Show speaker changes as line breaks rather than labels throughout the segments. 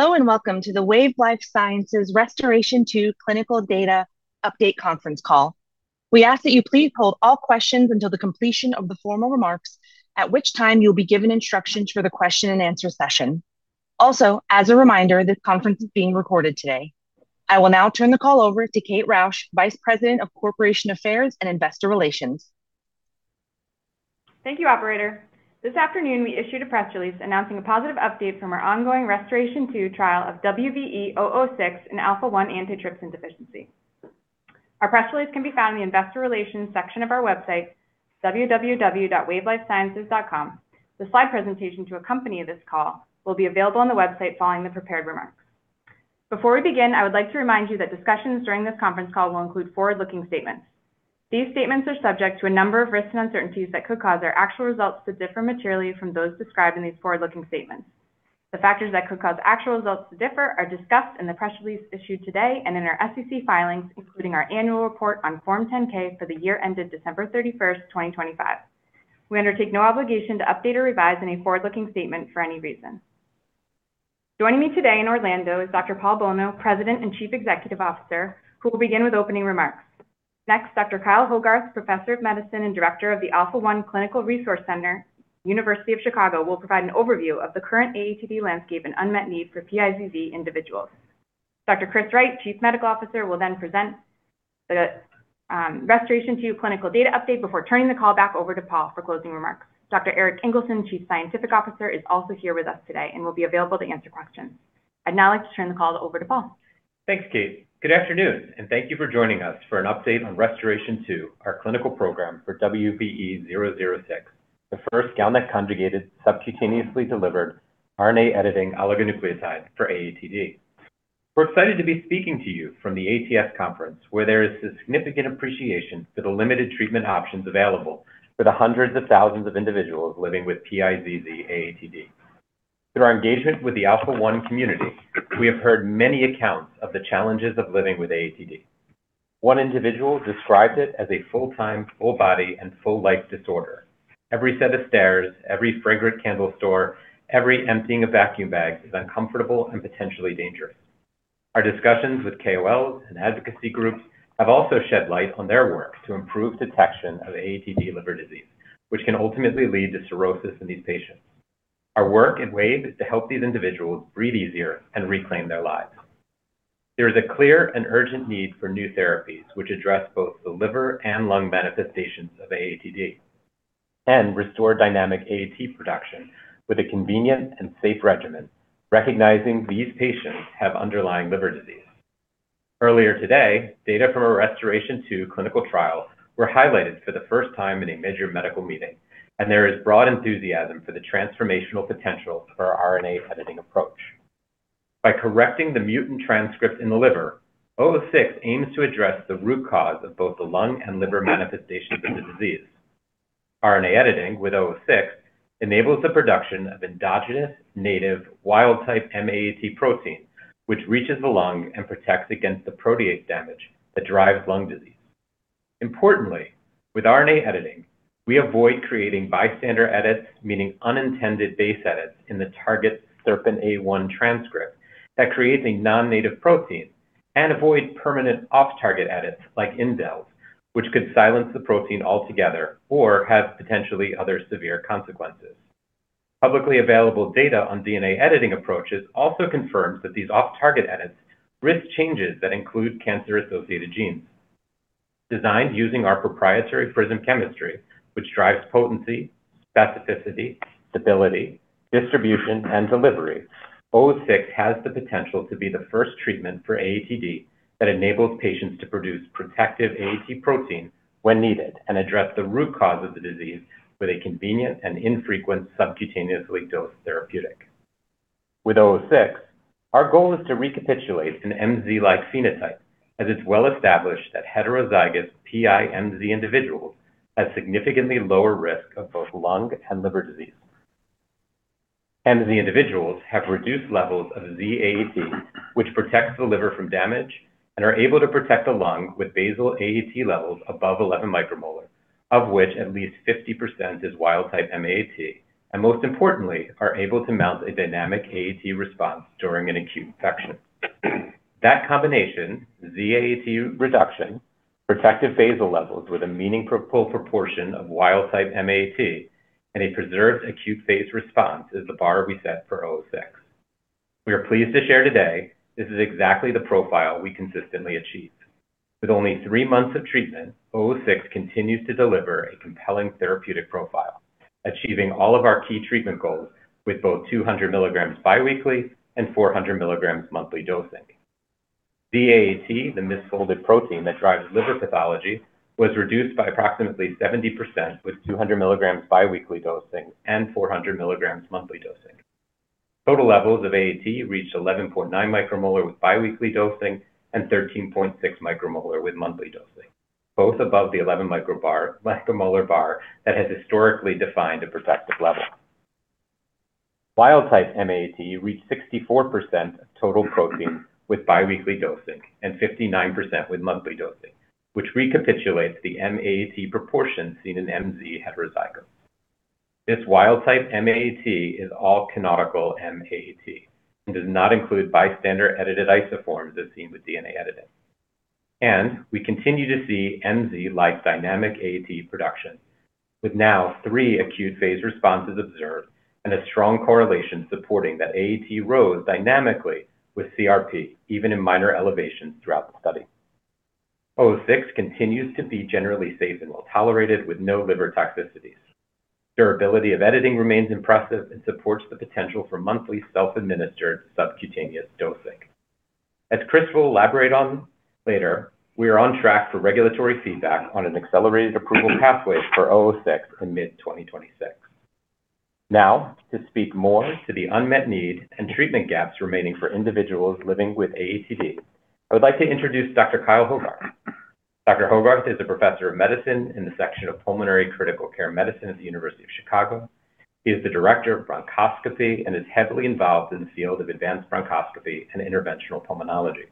Hello and welcome to the Wave Life Sciences RestorAATion-2 clinical data update Conference Call. We ask that you please hold all questions until the completion of the formal remarks, at which time you'll be given instructions for the question and answer session. Also, as a reminder, this conference is being recorded today. I will now turn the call over to Kate Rausch, Vice President of Corporate Affairs and Investor Relations.
Thank you, operator. This afternoon, we issued a press release announcing a positive update from our ongoing RestorAATion-2 trial of WVE-006 in alpha-1 antitrypsin deficiency. Our press release can be found in the investor relations section of our website www.wavelifesciences.com. The slide presentation to accompany this call will be available on the website following the prepared remarks. Before we begin, I would like to remind you that discussions during this conference call will include forward-looking statements. These statements are subject to a number of risks and uncertainties that could cause our actual results to differ materially from those described in these forward-looking statements. The factors that could cause actual results to differ are discussed in the press release issued today and in our SEC filings, including our annual report on Form 10-K for the year ended December 31, 2025. We undertake no obligation to update or revise any forward-looking statement for any reason. Joining me today in Orlando is Dr. Paul Bolno, President and Chief Executive Officer, who will begin with opening remarks. Next, Dr. Kyle Hogarth, Professor of Medicine and Director of the Alpha-One Clinical Resource Center, University of Chicago, will provide an overview of the current AATD landscape and unmet need for PiZZ individuals. Dr. Christopher Wright, Chief Medical Officer, will then present the RestorAATion-2 clinical data update before turning the call back over to Paul for closing remarks. Dr. Erik Ingelsson, Chief Scientific Officer, is also here with us today and will be available to answer questions. I'd now like to turn the call over to Paul.
Thanks, Kate. Good afternoon. Thank you for joining us for an update on RestorAATion-2, our clinical program for WVE-006, the first GalNAc-conjugated subcutaneously-delivered RNA editing oligonucleotide for AATD. We're excited to be speaking to you from the ATS conference, where there is significant appreciation for the limited treatment options available for the hundreds of thousands of individuals living with PiZZ AATD. Through our engagement with the Alpha-1 community, we have heard many accounts of the challenges of living with AATD. One individual describes it as a full-time, full-body, and full-life disorder. Every set of stairs, every fragrant candle store, every emptying of vacuum bags is uncomfortable and potentially dangerous. Our discussions with KOLs and advocacy groups have also shed light on their work to improve detection of AATD liver disease, which can ultimately lead to cirrhosis in these patients. Our work at Wave is to help these individuals breathe easier and reclaim their lives. There is a clear and urgent need for new therapies which address both the liver and lung manifestations of AATD and restore dynamic AAT production with a convenient and safe regimen, recognizing these patients have underlying liver disease. Earlier today, data from our RestorAATion-2 clinical trial were highlighted for the first time in a major medical meeting. There is broad enthusiasm for the transformational potential for our RNA-editing approach. By correcting the mutant transcript in the liver, WVE-006 aims to address the root cause of both the lung and liver manifestations of the disease. RNA editing with WVE-006 enables the production of endogenous native wild-type M-AAT protein, which reaches the lung and protects against the protease damage that drives lung disease. Importantly, with RNA editing, we avoid creating bystander edits, meaning unintended base edits in the target SERPINA1 transcript that creates a non-native protein and avoid permanent off-target edits like indels, which could silence the protein altogether or have potentially other severe consequences. Publicly available data on DNA editing approaches also confirms that these off-target edits risk changes that include cancer-associated genes. Designed using our proprietary PRISM chemistry, which drives potency, specificity, stability, distribution, and delivery, WVE-006 has the potential to be the first treatment for AATD that enables patients to produce protective AAT protein when needed and address the root cause of the disease with a convenient and infrequent subcutaneously-dosed therapeutic. With WVE-006, our goal is to recapitulate an MZ-like phenotype, as it's well established that heterozygous PiMZ individuals have significantly lower risk of both lung and liver disease. MZ individuals have reduced levels of Z-AAT, which protects the liver from damage and are able to protect the lung with basal AAT levels above 11 micromolar, of which at least 50% is wild-type M-AAT, and most importantly, are able to mount a dynamic AAT response during an acute infection. That combination, Z-AAT reduction, protective basal levels with a meaningful proportion of wild-type M-AAT, and a preserved acute-phase response is the bar we set for WVE-006. We are pleased to share today this is exactly the profile we consistently achieve. With only three months of treatment, WVE-006 continues to deliver a compelling therapeutic profile, achieving all of our key treatment goals with both 200 milligrams biweekly and 400 milligrams monthly dosing. Z-AAT, the misfolded protein that drives liver pathology, was reduced by approximately 70% with 200 milligrams biweekly dosing and 400 milligrams monthly dosing. Total levels of AAT reached 11.9 micromolar with biweekly dosing and 13.6 micromolar with monthly dosing, both above the 11 micromolar bar that has historically defined a protective level. Wild-type M-AAT reached 64% of total protein with biweekly dosing and 59% with monthly dosing, which recapitulates the M-AAT proportion seen in MZ heterozygotes. This wild-type M-AAT is all canonical M-AAT and does not include bystander edited isoforms as seen with DNA editing. We continue to see MZ-like dynamic AAT production with now three acute phase responses observed and a strong correlation supporting that AAT rose dynamically with CRP, even in minor elevations throughout the study. WVE-006 continues to be generally safe and well-tolerated with no liver toxicities. Durability of editing remains impressive and supports the potential for monthly self-administered subcutaneous dosing. As Chris will elaborate on later, we are on track for regulatory feedback on an accelerated approval pathway for WVE-006 in mid 2026. Now, to speak more to the unmet need and treatment gaps remaining for individuals living with AATD, I would like to introduce Dr. Kyle Hogarth. Dr. Hogarth is a professor of medicine in the section of pulmonary critical care medicine at the University of Chicago. He is the director of bronchoscopy and is heavily involved in the field of advanced bronchoscopy and interventional pulmonology.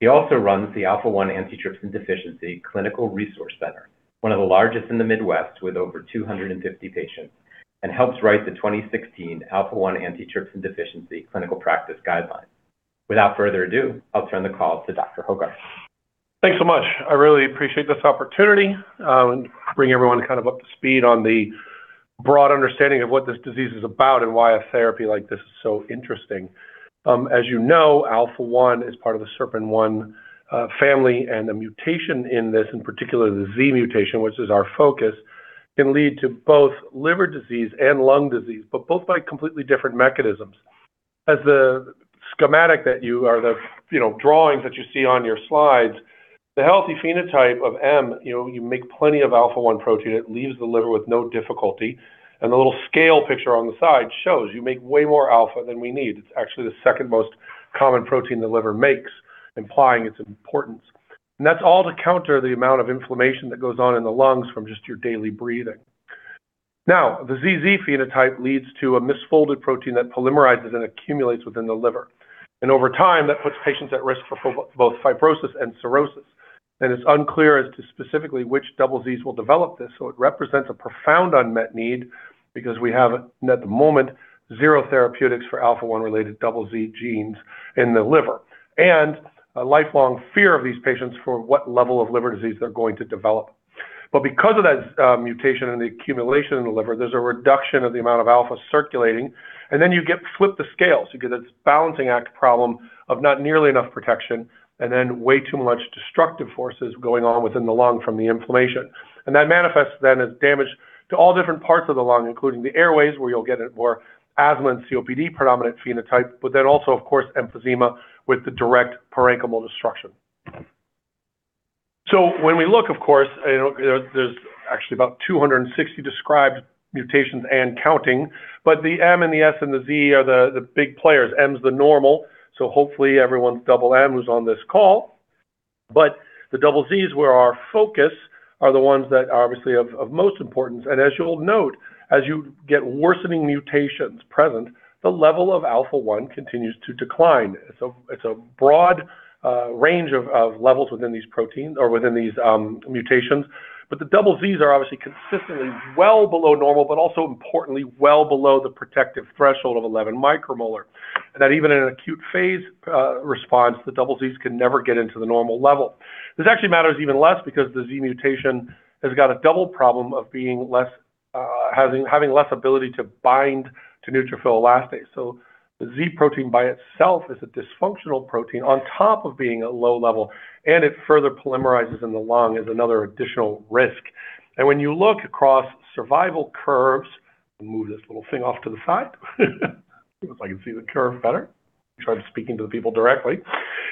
He also runs the Alpha-1 Antitrypsin Deficiency Clinical Resource Center, one of the largest in the Midwest with over 250 patients, and helped write the 2016 Alpha-1 Antitrypsin Deficiency Clinical Practice Guidelines. Without further ado, I'll turn the call to Dr. Hogarth.
Thanks so much. I really appreciate this opportunity to bring everyone kind of up to speed on the broad understanding of what this disease is about and why a therapy like this is so interesting. As you know, Alpha-1 is part of the SERPINA1 family and a mutation in this, in particular the Z mutation, which is our focus, can lead to both liver disease and lung disease, but both by completely different mechanisms. As the schematic that you or the, you know, drawings that you see on your slides, the healthy phenotype of M, you know, you make plenty of Alpha-1 protein, it leaves the liver with no difficulty. The little scale picture on the side shows you make way more Alpha than we need. It's actually the 2nd most common protein the liver makes, implying its importance. That's all to counter the amount of inflammation that goes on in the lungs from just your daily breathing. The ZZ phenotype leads to a misfolded protein that polymerizes and accumulates within the liver. Over time, that puts patients at risk for both fibrosis and cirrhosis. It's unclear as to specifically which double Zs will develop this, so it represents a profound unmet need because we have, at the moment, zero therapeutics for alpha-1 related double Z genes in the liver and a lifelong fear of these patients for what level of liver disease they're going to develop. Because of that mutation and the accumulation in the liver, there's a reduction of the amount of alpha circulating, and then you flip the scales. You get this balancing act problem of not nearly enough protection and then way too much destructive forces going on within the lung from the inflammation. That manifests then as damage to all different parts of the lung, including the airways, where you'll get a more asthma and COPD predominant phenotype, but then also of course emphysema with the direct parenchymal destruction. When we look, of course, you know, there's actually about 260 described mutations and counting, but the M and the S and the Z are the big players. M's the normal, so hopefully everyone's double M who's on this call. The double Z is where our focus are the ones that are obviously of most importance. As you'll note, as you get worsening mutations present, the level of Alpha-1 continues to decline. It's a broad range of levels within these proteins or within these mutations. The ZZs are obviously consistently well below normal, but also importantly, well below the protective threshold of 11 micromolar. Even in an acute phase response, the ZZs can never get into the normal level. This actually matters even less because the Z mutation has got a double problem of being less, having less ability to bind to neutrophil elastase. The Z protein by itself is a dysfunctional protein on top of being a low level, and it further polymerizes in the lung as another additional risk. When you look across survival curves. Let me move this little thing off to the side so I can see the curve better. Try speaking to the people directly.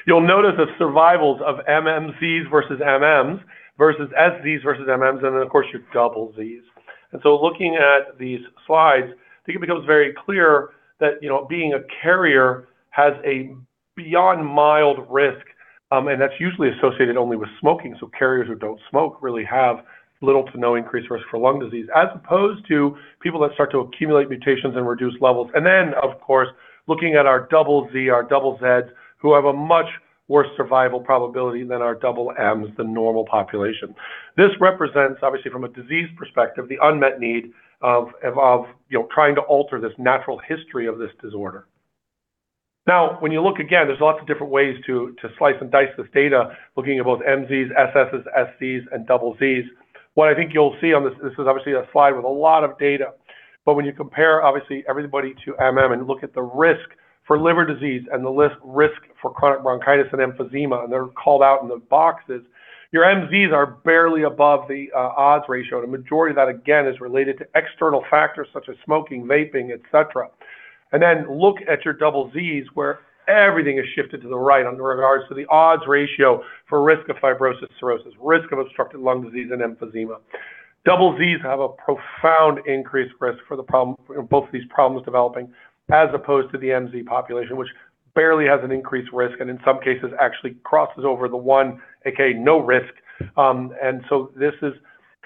You'll notice the survivals of MZs versus MMs versus SZs versus MMs, and then of course your double Zs. Looking at these slides, I think it becomes very clear that, you know, being a carrier has a beyond mild risk, and that's usually associated only with smoking. Carriers who don't smoke really have little to no increased risk for lung disease, as opposed to people that start to accumulate mutations and reduce levels. Of course, looking at our double Z, who have a much worse survival probability than our double Ms, the normal population. This represents, obviously from a disease perspective, the unmet need of, you know, trying to alter this natural history of this disorder. When you look again, there's lots of different ways to slice and dice this data, looking at both MZs, SSs, SZs, and ZZs. What I think you'll see on This is obviously a slide with a lot of data. When you compare obviously everybody to MM and look at the risk for liver disease and the risk for chronic bronchitis and emphysema, and they're called out in the boxes, your MZs are barely above the odds ratio. The majority of that, again, is related to external factors such as smoking, vaping, et cetera. Look at your ZZs, where everything is shifted to the right in regards to the odds ratio for risk of fibrosis, cirrhosis, risk of obstructive lung disease and emphysema. double Zs have a profound increased risk for the problem, both of these problems developing as opposed to the MZ population, which barely has an increased risk and in some cases actually crosses over the one, AKA no risk. This is,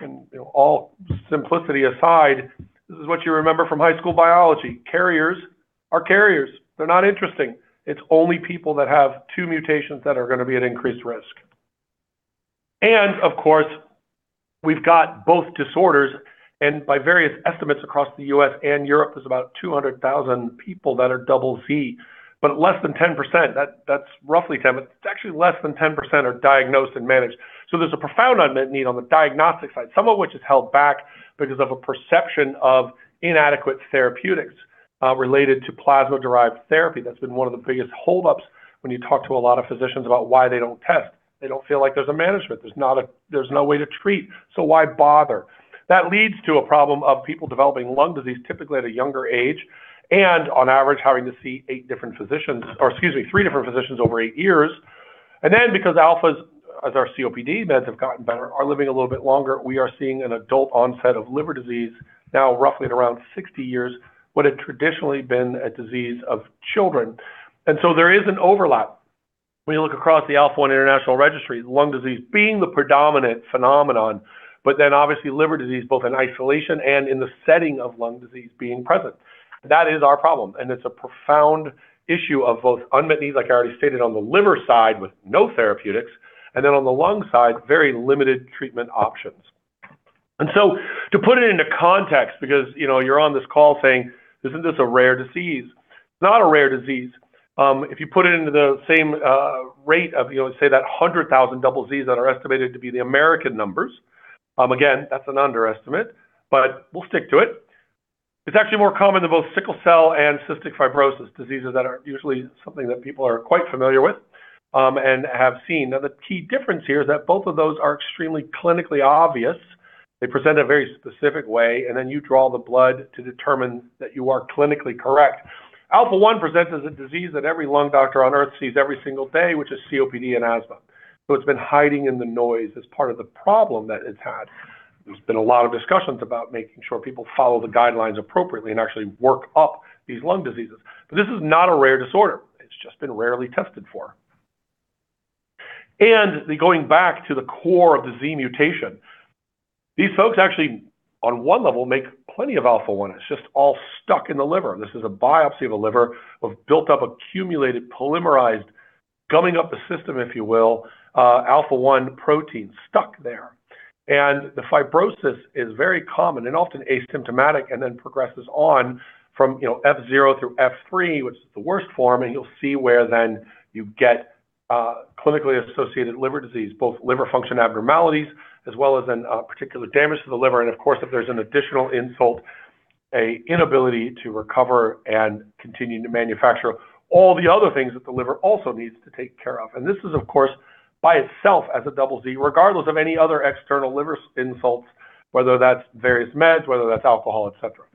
you know, all simplicity aside, this is what you remember from high school biology. Carriers are carriers. They're not interesting. It's only people that have two mutations that are gonna be at increased risk. Of course, we've got both disorders, and by various estimates across the U.S. and Europe, there's about 200,000 people that are double Z. Less than 10%, that's roughly 10, but it's actually less than 10% are diagnosed and managed. There's a profound unmet need on the diagnostic side, some of which is held back because of a perception of inadequate therapeutics related to plasma-derived therapy. That's been one of the biggest holdups when you talk to a lot of physicians about why they don't test. They don't feel like there's a management. There's no way to treat, why bother? That leads to a problem of people developing lung disease typically at a younger age and on average having to see eight different physicians or, excuse me, three different physicians over eight years. Because alphas, as our COPD meds have gotten better, are living a little bit longer, we are seeing an adult onset of liver disease now roughly at around 60 years what had traditionally been a disease of children. There is an overlap when you look across the Alpha-1 International Registry, lung disease being the predominant phenomenon, but obviously liver disease both in isolation and in the setting of lung disease being present. That is our problem, and it's a profound issue of both unmet needs, like I already stated, on the liver side with no therapeutics, and on the lung side, very limited treatment options. To put it into context, because, you know, you're on this call saying, "Isn't this a rare disease?" It's not a rare disease. If you put it into the same rate of, you know, say that 100,000 ZZs that are estimated to be the U.S. numbers, again, that's an underestimate, but we'll stick to it. It's actually more common than both sickle cell and cystic fibrosis, diseases that are usually something that people are quite familiar with and have seen. The key difference here is that both of those are extremely clinically obvious. They present a very specific way, then you draw the blood to determine that you are clinically correct. Alpha-1 presents as a disease that every lung doctor on Earth sees every single day, which is COPD and asthma. It's been hiding in the noise as part of the problem that it's had. There's been a lot of discussions about making sure people follow the guidelines appropriately and actually work up these lung diseases. This is not a rare disorder. It's just been rarely tested for. Going back to the core of the Z mutation, these folks actually, on one level, make plenty of Alpha-1. It's just all stuck in the liver. This is a biopsy of a liver of built-up, accumulated, polymerized, gumming up the system, if you will, Alpha-1 protein stuck there. The fibrosis is very common and often asymptomatic and then progresses on from F0 through F3, which is the worst form, and you'll see where then you get clinically associated liver disease, both liver function abnormalities as well as then particular damage to the liver. Of course, if there's an additional insult, a inability to recover and continue to manufacture all the other things that the liver also needs to take care of. This is, of course, by itself as a ZZ, regardless of any other external liver insults, whether that's various meds, whether that's alcohol, et cetera.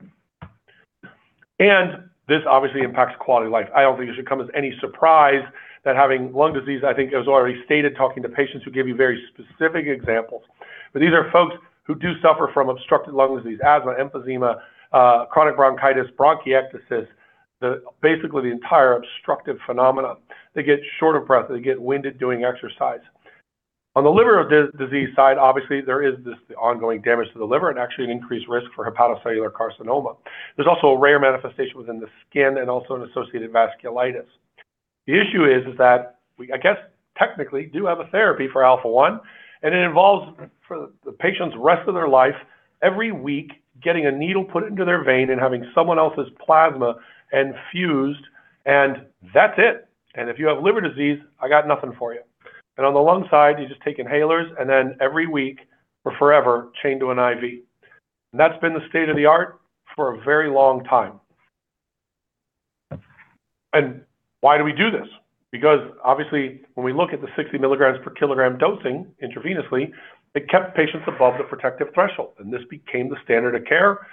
This obviously impacts quality of life. I don't think it should come as any surprise that having lung disease, I think as already stated, talking to patients who give you very specific examples. These are folks who do suffer from obstructive lung disease, asthma, emphysema, chronic bronchitis, bronchiectasis, basically the entire obstructive phenomenon. They get short of breath. They get winded doing exercise. On the liver disease side, obviously, there is this ongoing damage to the liver and actually an increased risk for hepatocellular carcinoma. There's also a rare manifestation within the skin and also an associated vasculitis. The issue is that we, I guess, technically do have a therapy for Alpha-1, and it involves for the patient's rest of their life, every week getting a needle put into their vein and having someone else's plasma infused, and that's it. If you have liver disease, I got nothing for you. On the lung side, you just take inhalers and then every week for forever chained to an IV. That's been the state-of-the-art for a very long time. Why do we do this? Because obviously, when we look at the 60 milligrams per kilogram dosing intravenously, it kept patients above the protective threshold, and this became the standard of care.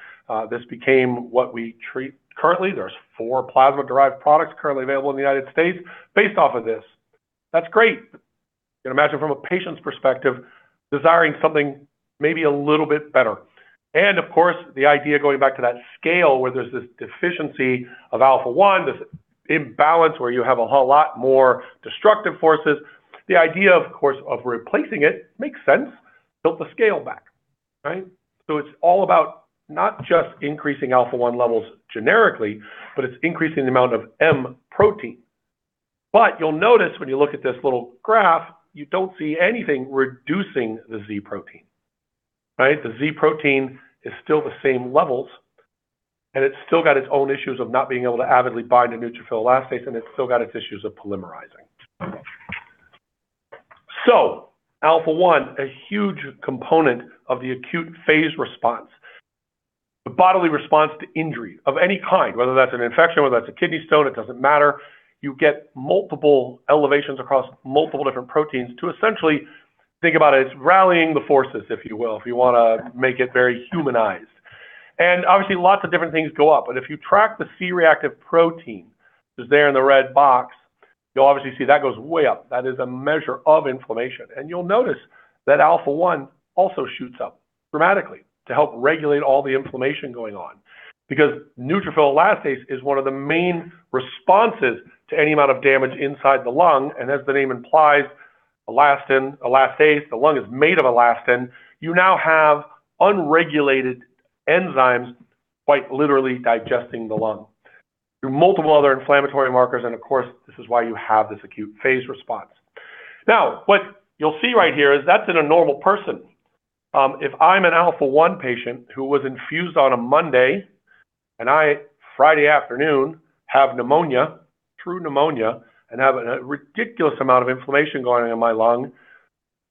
This became what we treat currently. There's four plasma-derived products currently available in the U.S. based off of this. That's great. You can imagine from a patient's perspective desiring something maybe a little bit better. Of course, the idea going back to that scale where there's this deficiency of Alpha-1, this imbalance where you have a whole lot more destructive forces, the idea, of course, of replacing it makes sense. Built the scale back, right? It's all about not just increasing Alpha-1 levels generically, but it's increasing the amount of M-AAT. You'll notice when you look at this little graph, you don't see anything reducing the Z-AAT, right? The Z-AAT is still the same levels, and it's still got its own issues of not being able to avidly bind a neutrophil elastase, and it's still got its issues of polymerizing. Alpha-1, a huge component of the acute phase response. The bodily response to injury of any kind, whether that's an infection, whether that's a kidney stone, it doesn't matter. You get multiple elevations across multiple different proteins to essentially think about it as rallying the forces, if you will, if you want to make it very humanized. Obviously, lots of different things go up. If you track the C-reactive protein, which is there in the red box, you'll obviously see that goes way up. That is a measure of inflammation. You'll notice that Alpha-1 also shoots up dramatically to help regulate all the inflammation going on. Neutrophil elastase is one of the main responses to any amount of damage inside the lung. As the name implies, elastin, elastase, the lung is made of elastin. You now have unregulated enzymes quite literally digesting the lung. There are multiple other inflammatory markers, and of course, this is why you have this acute phase response. What you'll see right here is that's in a normal person. If I'm an Alpha-1 patient who was infused on a Monday and I, Friday afternoon, have pneumonia, true pneumonia, and have a ridiculous amount of inflammation going on in my lung,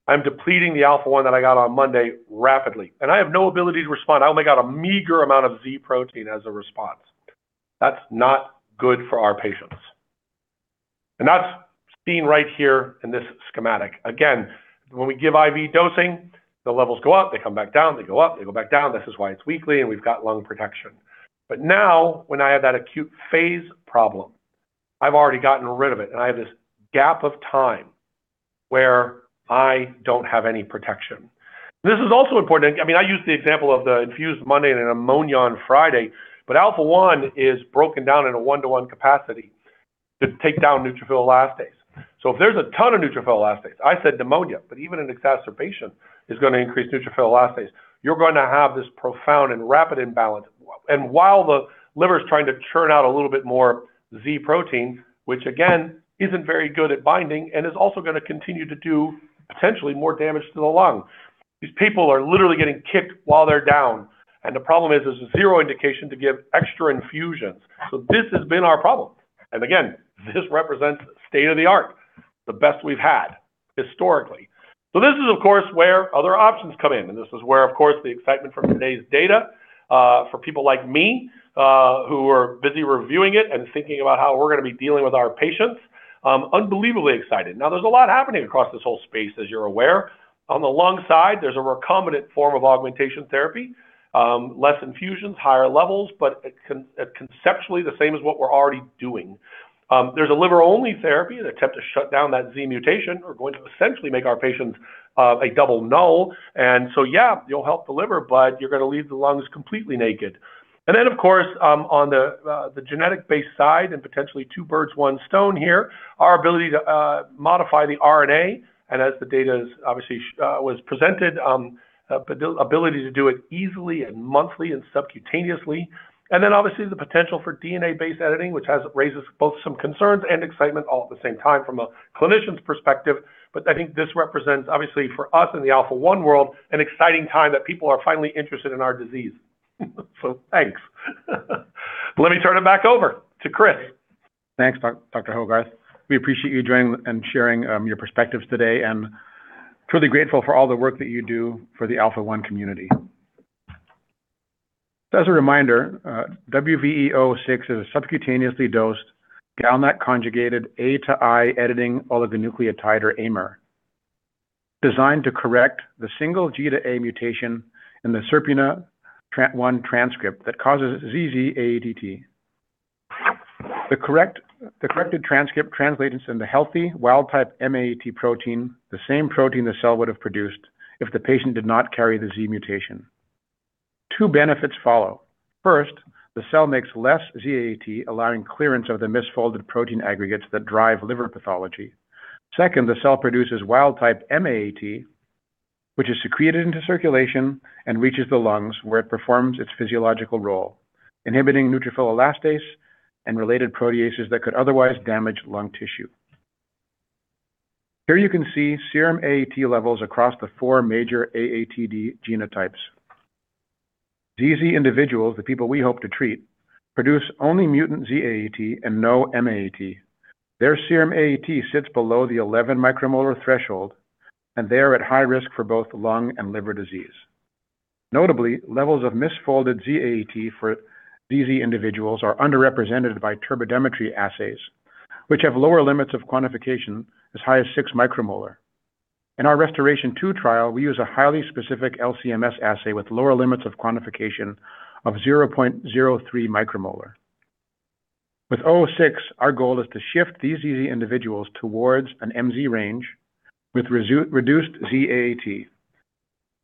I'm depleting the Alpha-1 that I got on Monday rapidly. I have no ability to respond. I only got a meager amount of Z protein as a response. That's not good for our patients. That's seen right here in this schematic. Again, when we give IV dosing, the levels go up, they come back down, they go up, they go back down. This is why it's weekly, and we've got lung protection. Now when I have that acute phase problem, I've already gotten rid of it and I have this gap of time where I don't have any protection. This is also important. I mean, I use the example of the infused Monday and a pneumonia on Friday. Alpha-1 is broken down in a 1-to-1 capacity to take down neutrophil elastase. If there's a ton of neutrophil elastase, I said pneumonia, even an exacerbation is going to increase neutrophil elastase. You're going to have this profound and rapid imbalance. While the liver's trying to churn out a little bit more Z protein, which again, isn't very good at binding and is also going to continue to do potentially more damage to the lung. These people are literally getting kicked while they're down. The problem is there's zero indication to give extra infusions. This has been our problem. Again, this represents state-of-the-art, the best we've had historically. This is of course, where other options come in. This is where of course the excitement from today's data, for people like me, who are busy reviewing it and thinking about how we're going to be dealing with our patients, unbelievably excited. Now there's a lot happening across this whole space, as you're aware. On the lung side, there's a recombinant form of augmentation therapy, less infusions, higher levels, but it conceptually the same as what we're already doing. There's a liver-only therapy, an attempt to shut down that Z mutation. We're going to essentially make our patients a double null. Yeah, you'll help the liver, but you're going to leave the lungs completely naked. Of course, on the genetic-based side and potentially two birds, one stone here, our ability to modify the RNA. As the data is obviously, was presented, ability to do it easily and monthly and subcutaneously. Obviously the potential for DNA-based editing, which raises both some concerns and excitement all at the same time from a clinician's perspective. I think this represents obviously for us in the Alpha-1 world, an exciting time that people are finally interested in our disease. Thanks. Let me turn it back over to Chris.
Thanks, Dr. Hogarth. We appreciate you joining and sharing your perspectives today and truly grateful for all the work that you do for the Alpha-1 community. As a reminder, WVE-006 is a subcutaneously dosed, GalNAc-conjugated A-to-I RNA editing oligonucleotide or AIMer designed to correct the single G to A mutation in the SERPINA1 transcript that causes ZZ AATD. The corrected transcript translates into the healthy wild type M-AAT protein, the same protein the cell would have produced if the patient did not carry the Z mutation. Two benefits follow. First, the cell makes less Z-AAT, allowing clearance of the misfolded protein aggregates that drive liver pathology. Second, the cell produces wild type M-AAT, which is secreted into circulation and reaches the lungs where it performs its physiological role, inhibiting neutrophil elastase and related proteases that could otherwise damage lung tissue. Here you can see serum AAT levels across the four major AATD genotypes. ZZ individuals, the people we hope to treat, produce only mutant Z AAT and no M-AAT. Their serum AAT sits below the 11 micromolar threshold. They are at high risk for both lung and liver disease. Notably, levels of misfolded Z AAT for ZZ individuals are underrepresented by turbidimetry assays, which have lower limits of quantification as high as 6 micromolar. In our RestorAATion-2 trial, we use a highly specific LC-MS assay with lower limits of quantification of 0.03 micromolar. With WVE-006, our goal is to shift these ZZ individuals towards an MZ range with reduced Z AAT,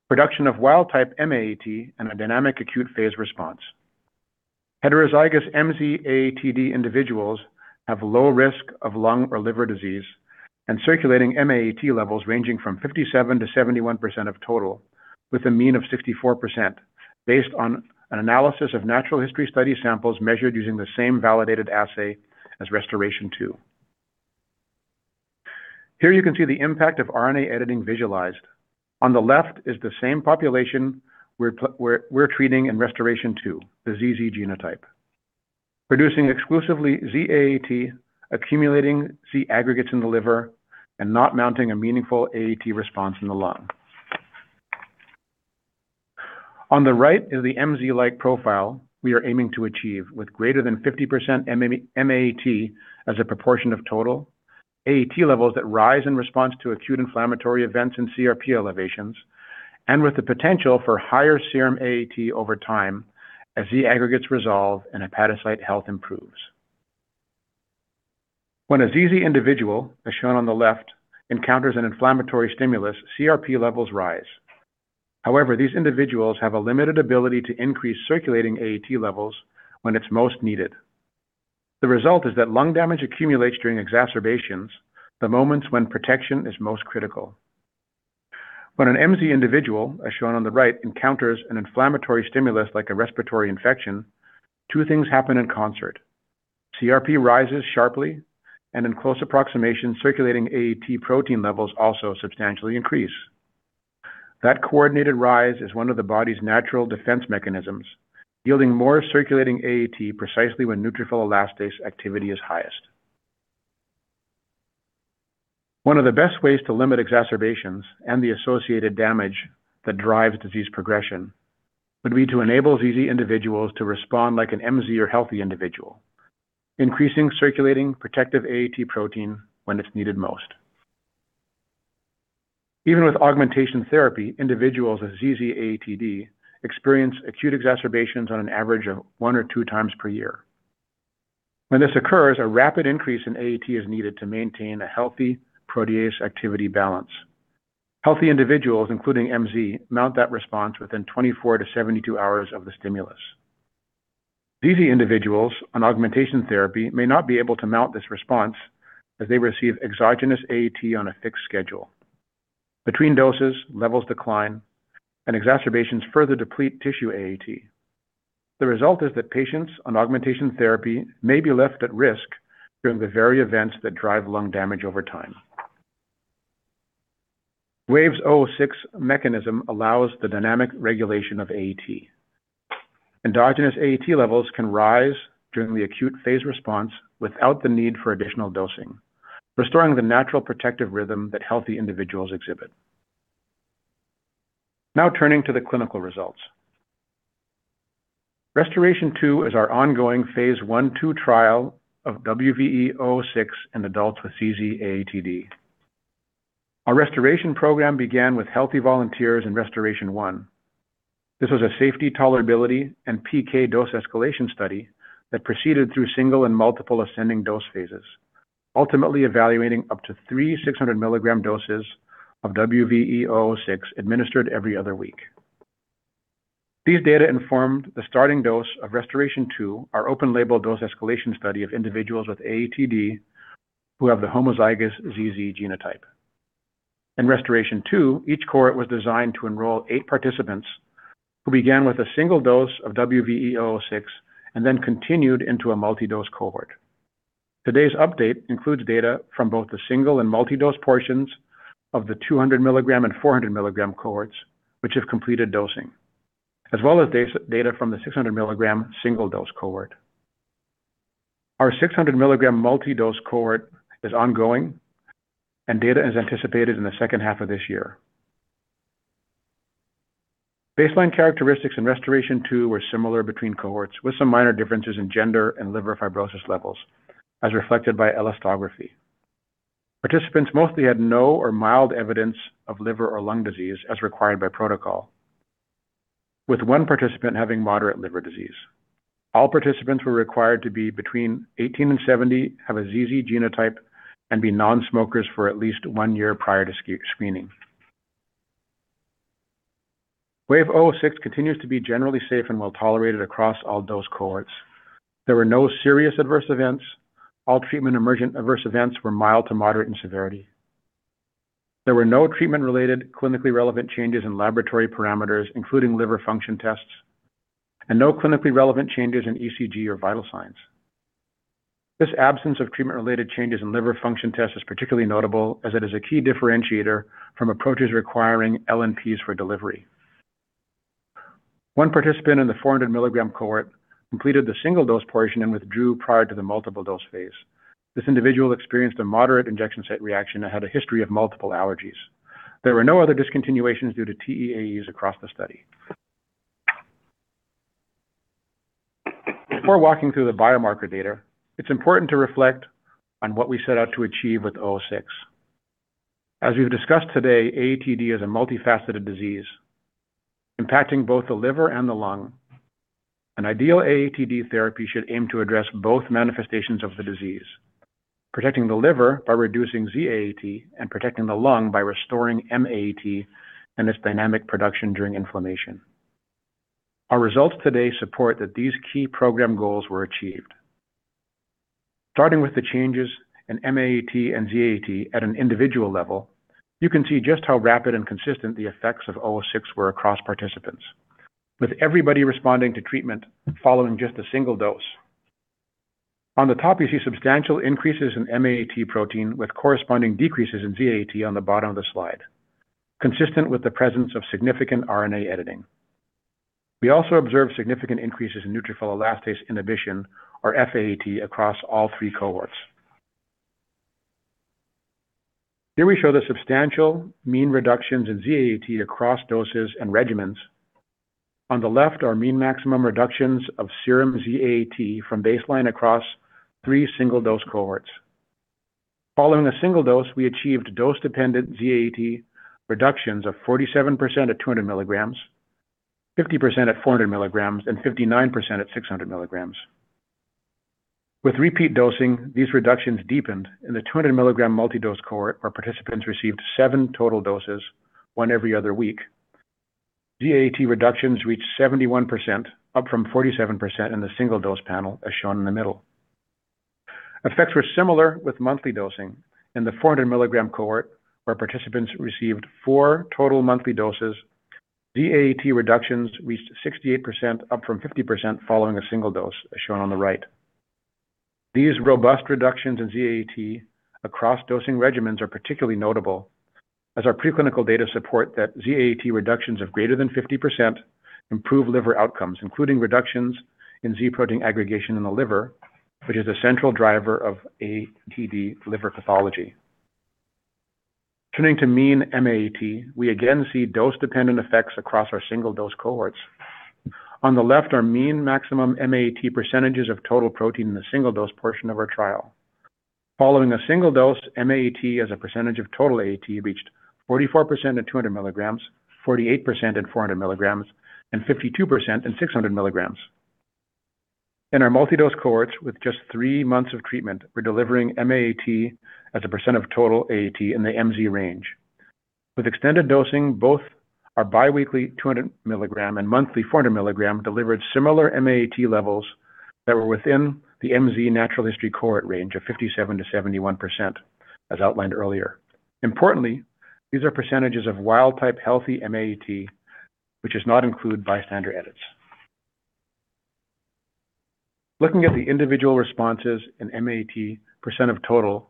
production of wild type M-AAT and a dynamic acute phase response. Heterozygous MZ AATD individuals have low risk of lung or liver disease and circulating M-AAT levels ranging from 57% to 71% of total, with a mean of 64% based on an analysis of natural history study samples measured using the same validated assay as RestorAATion-2. Here you can see the impact of RNA editing visualized. On the left is the same population we're treating in RestorAATion-2, the ZZ genotype, producing exclusively Z-AAT, accumulating Z aggregates in the liver, and not mounting a meaningful AAT response in the lung. On the right is the MZ-like profile we are aiming to achieve with greater than 50% M-AAT as a proportion of total, AAT levels that rise in response to acute inflammatory events and CRP elevations, and with the potential for higher serum AAT over time as Z aggregates resolve and hepatocyte health improves. When a ZZ individual, as shown on the left, encounters an inflammatory stimulus, CRP levels rise. These individuals have a limited ability to increase circulating AAT levels when it's most needed. The result is that lung damage accumulates during exacerbations, the moments when protection is most critical. When an MZ individual, as shown on the right, encounters an inflammatory stimulus like a respiratory infection, two things happen in concert. CRP rises sharply and in close approximation, circulating AAT protein levels also substantially increase. That coordinated rise is one of the body's natural defense mechanisms, yielding more circulating AAT precisely when neutrophil elastase activity is highest. One of the best ways to limit exacerbations and the associated damage that drives disease progression would be to enable ZZ individuals to respond like an MZ or healthy individual, increasing circulating protective AAT protein when it's needed most. Even with augmentation therapy, individuals with ZZ AATD experience acute exacerbations on an average of 1 or 2x per year. When this occurs, a rapid increase in AAT is needed to maintain a healthy protease activity balance. Healthy individuals, including MZ, mount that response within 24-72 hours of the stimulus. ZZ individuals on augmentation therapy may not be able to mount this response as they receive exogenous AAT on a fixed schedule. Between doses, levels decline and exacerbations further deplete tissue AAT. The result is that patients on augmentation therapy may be left at risk during the very events that drive lung damage over time. WVE-006 mechanism allows the dynamic regulation of AAT. Endogenous AAT levels can rise during the acute phase response without the need for additional dosing, restoring the natural protective rhythm that healthy individuals exhibit. Now turning to the clinical results. RestorAATion-2 is our ongoing phase I/II trial of WVE-006 in adults with ZZ AATD. Our RestorAATion program began with healthy volunteers in RestorAATion-1. This was a safety tolerability and PK dose escalation study that proceeded through single and multiple ascending dose phases, ultimately evaluating up to 3 600 mg doses of WVE-006 administered every other week. These data informed the starting dose of RestorAATion-2, our open-label dose escalation study of individuals with AATD who have the homozygous ZZ genotype. In RestorAATion-2, each cohort was designed to enroll eight participants who began with a single dose of WVE-006 and then continued into a multi-dose cohort. Today's update includes data from both the single and multi-dose portions of the 200 milligram and 400 milligram cohorts which have completed dosing, as well as data from the 600 milligram single dose cohort. Our 600 milligram multi-dose cohort is ongoing and data is anticipated in the second half of this year. Baseline characteristics in RestorAATion-2 were similar between cohorts with some minor differences in gender and liver fibrosis levels as reflected by elastography. Participants mostly had no or mild evidence of liver or lung disease as required by protocol, with one participant having moderate liver disease. All participants were required to be between 18 and 70, have a ZZ genotype, and be non-smokers for at least one year prior to screening. WVE-006 continues to be generally safe and well-tolerated across all dose cohorts. There were no serious adverse events. All Treatment-Emergent Adverse Events were mild to moderate in severity. There were no treatment-related clinically relevant changes in laboratory parameters, including liver function tests, and no clinically relevant changes in ECG or vital signs. This absence of treatment-related changes in liver function tests is particularly notable as it is a key differentiator from approaches requiring LNPs for delivery. One participant in the 400 milligram cohort completed the single dose portion and withdrew prior to the multiple dose phase. This individual experienced a moderate injection site reaction and had a history of multiple allergies. There were no other discontinuations due to TEAEs across the study. Before walking through the biomarker data, it's important to reflect on what we set out to achieve with Oh Six. As we've discussed today, AATD is a multifaceted disease impacting both the liver and the lung. An ideal AATD therapy should aim to address both manifestations of the disease, protecting the liver by reducing Z-AAT and protecting the lung by restoring M-AAT and its dynamic production during inflammation. Our results today support that these key program goals were achieved. Starting with the changes in M-AAT and Z-AAT at an individual level, you can see just how rapid and consistent the effects of WVE-006 were across participants, with everybody responding to treatment following just a single dose. On the top, you see substantial increases in M-AAT protein with corresponding decreases in Z-AAT on the bottom of the slide, consistent with the presence of significant RNA editing. We also observed significant increases in neutrophil elastase inhibition or fAAT across all three cohorts. Here we show the substantial mean reductions in Z-AAT across doses and regimens. On the left are mean maximum reductions of serum Z-AAT from baseline across three single dose cohorts. Following a single dose, we achieved dose-dependent Z-AAT reductions of 47% at 200 milligrams, 50% at 400 milligrams, and 59% at 600 milligrams. With repeat dosing, these reductions deepened in the 200 milligram multi-dose cohort where participants received seven total doses, one every other week. Z-AAT reductions reached 71%, up from 47% in the single dose panel, as shown in the middle. Effects were similar with monthly dosing. In the 400 milligram cohort where participants received four total monthly doses, Z-AAT reductions reached 68%, up from 50% following a single dose, as shown on the right. These robust reductions in Z-AAT across dosing regimens are particularly notable as our preclinical data support that Z-AAT reductions of greater than 50% improve liver outcomes, including reductions in Z protein aggregation in the liver, which is a central driver of AATD liver pathology. Turning to mean AAT, we again see dose-dependent effects across our single-dose cohorts. On the left are mean maximum AAT percentages of total protein in the single-dose portion of our trial. Following a single dose, AAT as a percentage of total AAT reached 44% at 200 milligrams, 48% at 400 milligrams, and 52% at 600 milligrams. In our multi-dose cohorts with just three months of treatment, we're delivering AAT as a % of total AAT in the MZ range. With extended dosing, both our biweekly 200 milligram and monthly 400 milligram delivered similar AAT levels that were within the MZ natural history cohort range of 57%-71%, as outlined earlier. Importantly, these are percentages of wild-type healthy AAT, which does not include bystander edits. Looking at the individual responses in AAT percent of total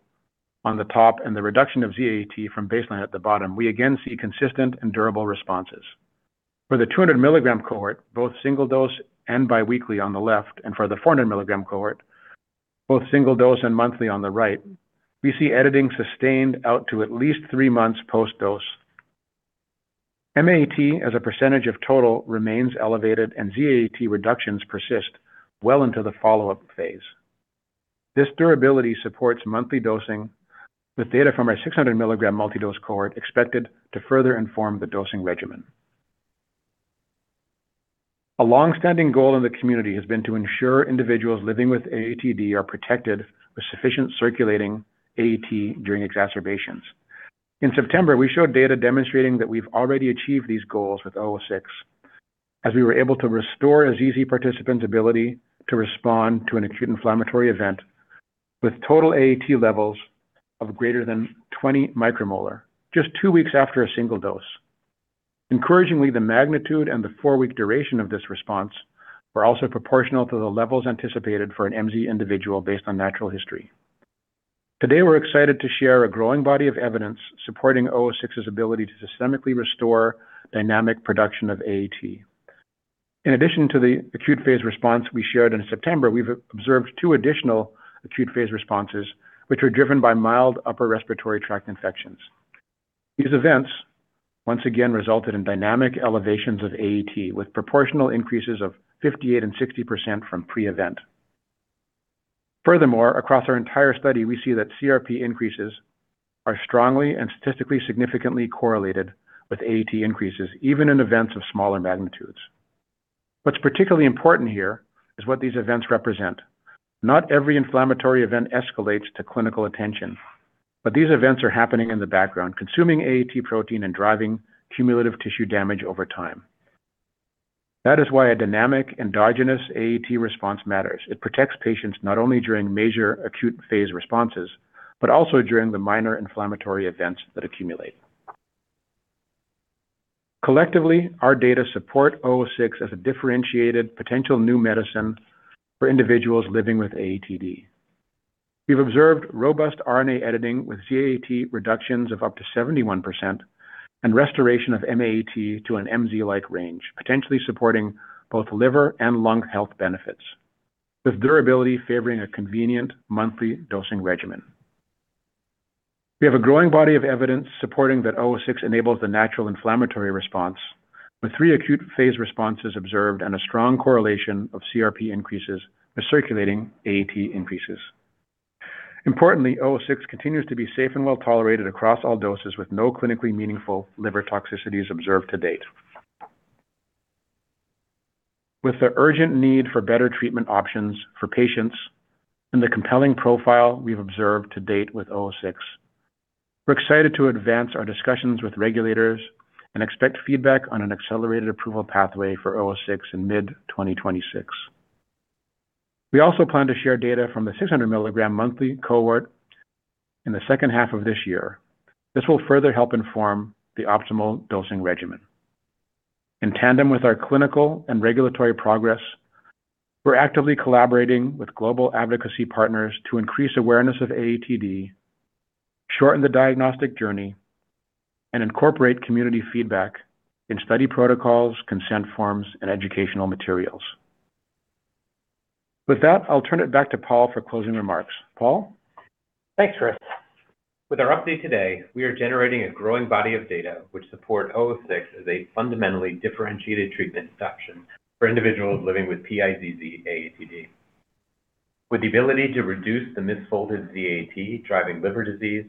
on the top and the reduction of Z-AAT from baseline at the bottom, we again see consistent and durable responses. For the 200 milligram cohort, both single dose and biweekly on the left, and for the 400 milligram cohort, both single dose and monthly on the right, we see editing sustained out to at least three months post-dose. AAT as a percentage of total remains elevated, and Z-AAT reductions persist well into the follow-up phase. This durability supports monthly dosing, with data from our 600 milligram multi-dose cohort expected to further inform the dosing regimen. A long-standing goal in the community has been to ensure individuals living with AATD are protected with sufficient circulating AAT during exacerbations. In September, we showed data demonstrating that we've already achieved these goals with WVE-006 as we were able to restore a ZZ participant's ability to respond to an acute inflammatory event with total AAT levels of greater than 20 micromolar just two weeks after a single dose. Encouragingly, the magnitude and the four week duration of this response were also proportional to the levels anticipated for an MZ individual based on natural history. Today, we're excited to share a growing body of evidence supporting WVE-006's ability to systemically restore dynamic production of AAT. In addition to the acute phase response we shared in September, we've observed two additional acute phase responses which were driven by mild upper respiratory tract infections. These events once again resulted in dynamic elevations of AAT with proportional increases of 58% and 60% from pre-event. Across our entire study, we see that CRP increases are strongly and statistically significantly correlated with AAT increases, even in events of smaller magnitudes. What's particularly important here is what these events represent. Not every inflammatory event escalates to clinical attention, these events are happening in the background, consuming AAT protein and driving cumulative tissue damage over time. That is why a dynamic endogenous AAT response matters. It protects patients not only during major acute phase responses, but also during the minor inflammatory events that accumulate. Collectively, our data support WVE-006 as a differentiated potential new medicine for individuals living with AATD. We've observed robust RNA editing with Z-AAT reductions of up to 71% and restoration of AAT to an MZ-like range, potentially supporting both liver and lung health benefits, with durability favoring a convenient monthly dosing regimen. We have a growing body of evidence supporting that WVE-006 enables the natural inflammatory response, with three acute phase responses observed and a strong correlation of CRP increases with circulating AAT increases. Importantly, WVE-006 continues to be safe and well-tolerated across all doses, with no clinically meaningful liver toxicities observed to date. With the urgent need for better treatment options for patients and the compelling profile we've observed to date with WVE-006, we're excited to advance our discussions with regulators and expect feedback on an accelerated approval pathway for WVE-006 in mid 2026. We also plan to share data from the 600 milligram monthly cohort in the second half of this year. This will further help inform the optimal dosing regimen. In tandem with our clinical and regulatory progress, we're actively collaborating with global advocacy partners to increase awareness of AATD, shorten the diagnostic journey, and incorporate community feedback in study protocols, consent forms, and educational materials. With that, I'll turn it back to Paul for closing remarks. Paul?
Thanks, Chris. With our update today, we are generating a growing body of data which support WVE-006 as a fundamentally differentiated treatment option for individuals living with PiZZ-AATD. With the ability to reduce the misfolded Z-AAT driving liver disease,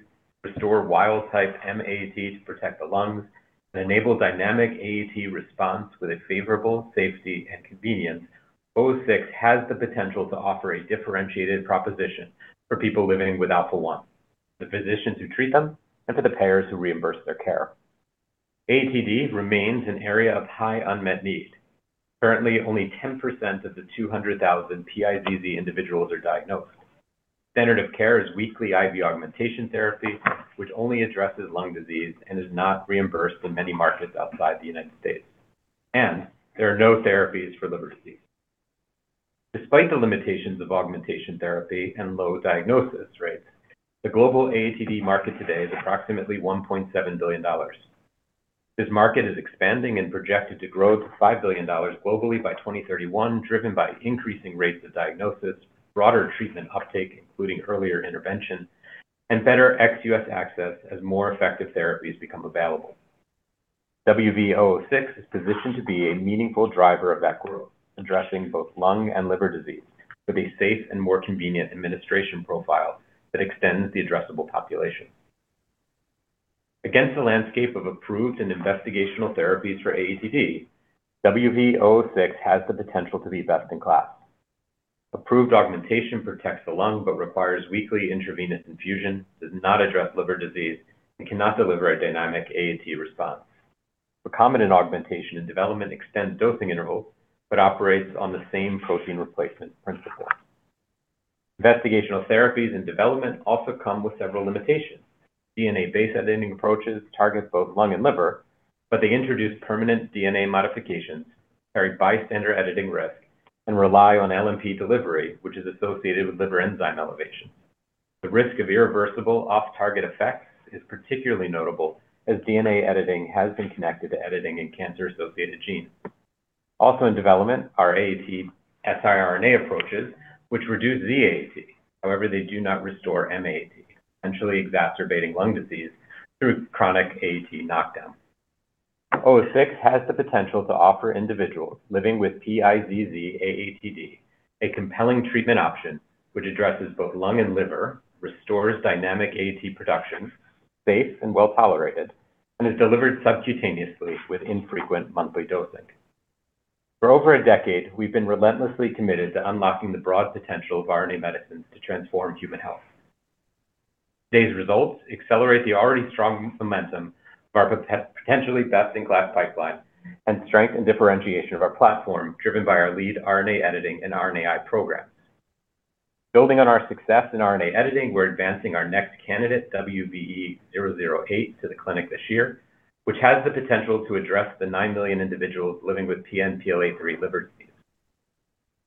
restore wild-type M-AAT to protect the lungs, and enable dynamic AAT response with a favorable safety and convenience, WVE-006 has the potential to offer a differentiated proposition for people living with Alpha-1, the physicians who treat them, and for the payers who reimburse their care. AATD remains an area of high unmet need. Currently, only 10% of the 200,000 PIZZ individuals are diagnosed. Standard of care is weekly IV augmentation therapy, which only addresses lung disease and is not reimbursed in many markets outside the U.S. There are no therapies for liver disease. Despite the limitations of augmentation therapy and low diagnosis rates, the global AATD market today is approximately $1.7 billion. This market is expanding and projected to grow to $5 billion globally by 2031, driven by increasing rates of diagnosis, broader treatment uptake, including earlier intervention, and better ex-U.S. access as more effective therapies become available. WVE-006 is positioned to be a meaningful driver of that growth, addressing both lung and liver disease with a safe and more convenient administration profile that extends the addressable population. Against the landscape of approved and investigational therapies for AATD, WVE-006 has the potential to be best in class. Approved augmentation protects the lung but requires weekly intravenous infusion, does not address liver disease, and cannot deliver a dynamic AAT response. Recombinant augmentation and development extends dosing intervals but operates on the same protein replacement principle. Investigational therapies and development also come with several limitations. DNA-based editing approaches targets both lung and liver, but they introduce permanent DNA modifications, carry bystander editing risk, and rely on LNP delivery, which is associated with liver enzyme elevation. The risk of irreversible off-target effects is particularly notable as DNA editing has been connected to editing in cancer-associated genes. Also in development are AAT siRNA approaches, which reduce Z-AAT. However, they do not restore M-AAT, essentially exacerbating lung disease through chronic AAT knockdown. WVE-006 has the potential to offer individuals living with PIZZ AATD a compelling treatment option which addresses both lung and liver, restores dynamic AAT production, safe and well-tolerated, and is delivered subcutaneously with infrequent monthly dosing. For over a decade, we've been relentlessly committed to unlocking the broad potential of RNA medicines to transform human health. Today's results accelerate the already strong momentum of our potentially best-in-class pipeline and strength and differentiation of our platform, driven by our lead RNA editing and RNAi programs. Building on our success in RNA editing, we're advancing our next candidate, WVE-008, to the clinic this year, which has the potential to address the 9 million individuals living with PNPLA3 liver disease.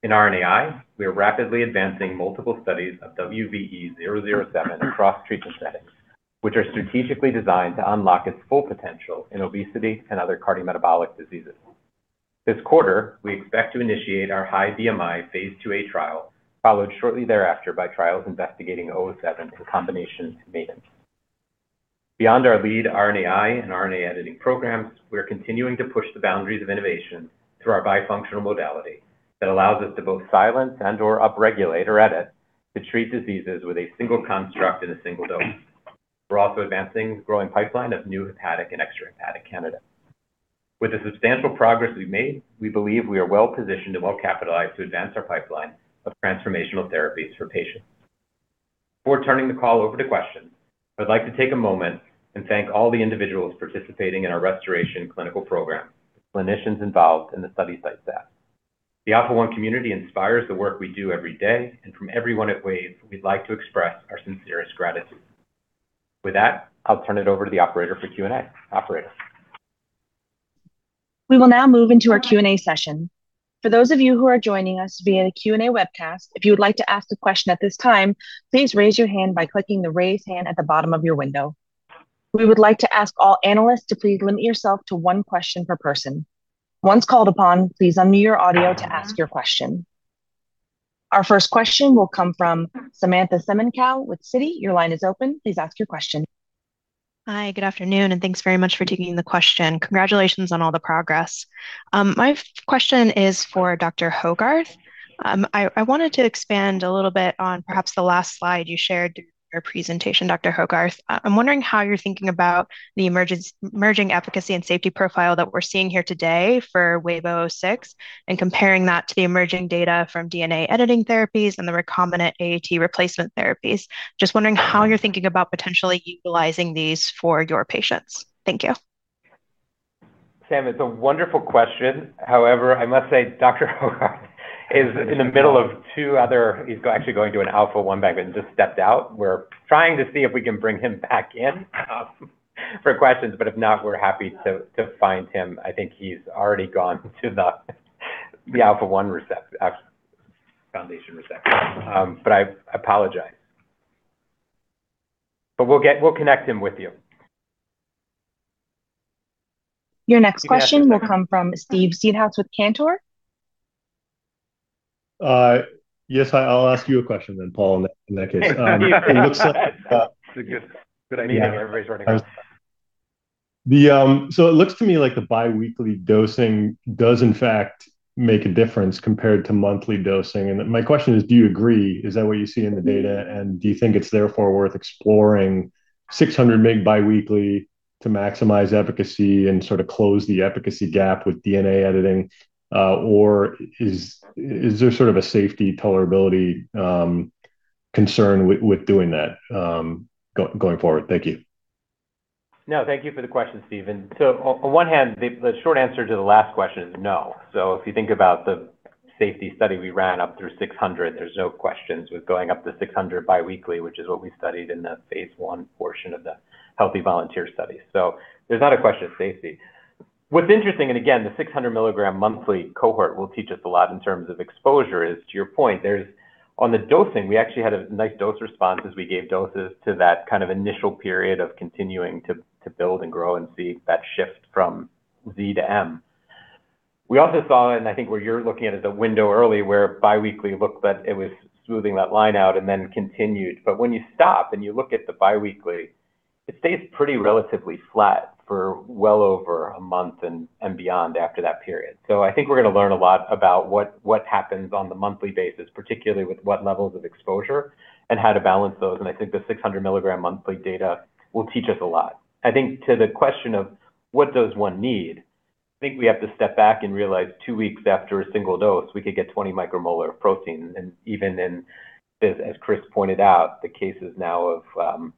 In RNAi, we are rapidly advancing multiple studies of WVE-007 across treatment settings, which are strategically designed to unlock its full potential in obesity and other cardiometabolic diseases. This quarter, we expect to initiate our high BMI Phase II-a trial, followed shortly thereafter by trials investigating 007 in combination with medinc. Beyond our lead RNAi and RNA editing programs, we are continuing to push the boundaries of innovation through our bifunctional modality that allows us to both silence and/or upregulate or edit to treat diseases with a single construct in a single dose. We're also advancing growing pipeline of new hepatic and extrahepatic candidates. With the substantial progress we've made, we believe we are well-positioned and well-capitalized to advance our pipeline of transformational therapies for patients. Before turning the call over to questions, I'd like to take a moment and thank all the individuals participating in our RestorAATion clinical program, clinicians involved, and the study site staff. The Alpha-1 community inspires the work we do every day, and from everyone at Wave, we'd like to express our sincerest gratitude. With that, I'll turn it over to the operator for Q&A. Operator?
We will now move into our Q&A session. For those of you who are joining us via the Q&A webcast, if you would like to ask a question at this time, please raise your hand by clicking the Raise Hand at the bottom of your window. We would like to ask all analysts to please limit yourself to one question per person. Once called upon, please unmute your audio to ask your question. Our first question will come from Samantha Semenkow with Citi. Your line is open. Please ask your question.
Hi. Good afternoon, thanks very much for taking the question. Congratulations on all the progress. My question is for Dr. Hogarth. I wanted to expand a little bit on perhaps the last slide you shared during your presentation, Dr. Hogarth. I'm wondering how you're thinking about the emerging efficacy and safety profile that we're seeing here today for WVE-006 and comparing that to the emerging data from DNA editing therapies and the recombinant AAT replacement therapies. Just wondering how you're thinking about potentially utilizing these for your patients. Thank you.
Sam, it's a wonderful question. I must say Dr. Hogarth is in the middle of two other actually going to an Alpha-1 event and just stepped out. We're trying to see if we can bring him back in for questions, but if not, we're happy to find him. I think he's already gone to the Alpha-1 Foundation reception. I apologize. We'll connect him with you.
Your next question will come from Steve Seedhouse with Cantor.
Yes. I'll ask you a question then, Paul, in that case. It looks like.
That's a good idea. Everybody's running around.
It looks to me like the biweekly dosing does in fact make a difference compared to monthly dosing. My question is, do you agree? Is that what you see in the data? Do you think it's therefore worth exploring 600 mg biweekly to maximize efficacy and sort of close the efficacy gap with DNA editing? Or is there sort of a safety tolerability concern with doing that going forward? Thank you.
No, thank you for the question, Steve. On one hand, the short answer to the last question is no. If you think about the safety study we ran up through 600, there's no questions with going up to 600 bi-weekly, which is what we studied in the phase I portion of the healthy volunteer study. There's not a question of safety. What's interesting, and again, the 600 milligram monthly cohort will teach us a lot in terms of exposure, is to your point, on the dosing, we actually had a nice dose response as we gave doses to that kind of initial period of continuing to build and grow and see that shift from Z-M. We also saw, I think where you're looking at is a window early, where bi-weekly looked like it was smoothing that line out and then continued. When you stop, you look at the bi-weekly, it stays pretty relatively flat for well over a month and beyond after that period. I think we're gonna learn a lot about what happens on the monthly basis, particularly with what levels of exposure and how to balance those, and I think the 600 milligram monthly data will teach us a lot. I think to the question of what does one need, I think we have to step back and realize two weeks after a single dose, we could get 20 micromolar of protein. Even in this, as Chris pointed out, the cases now of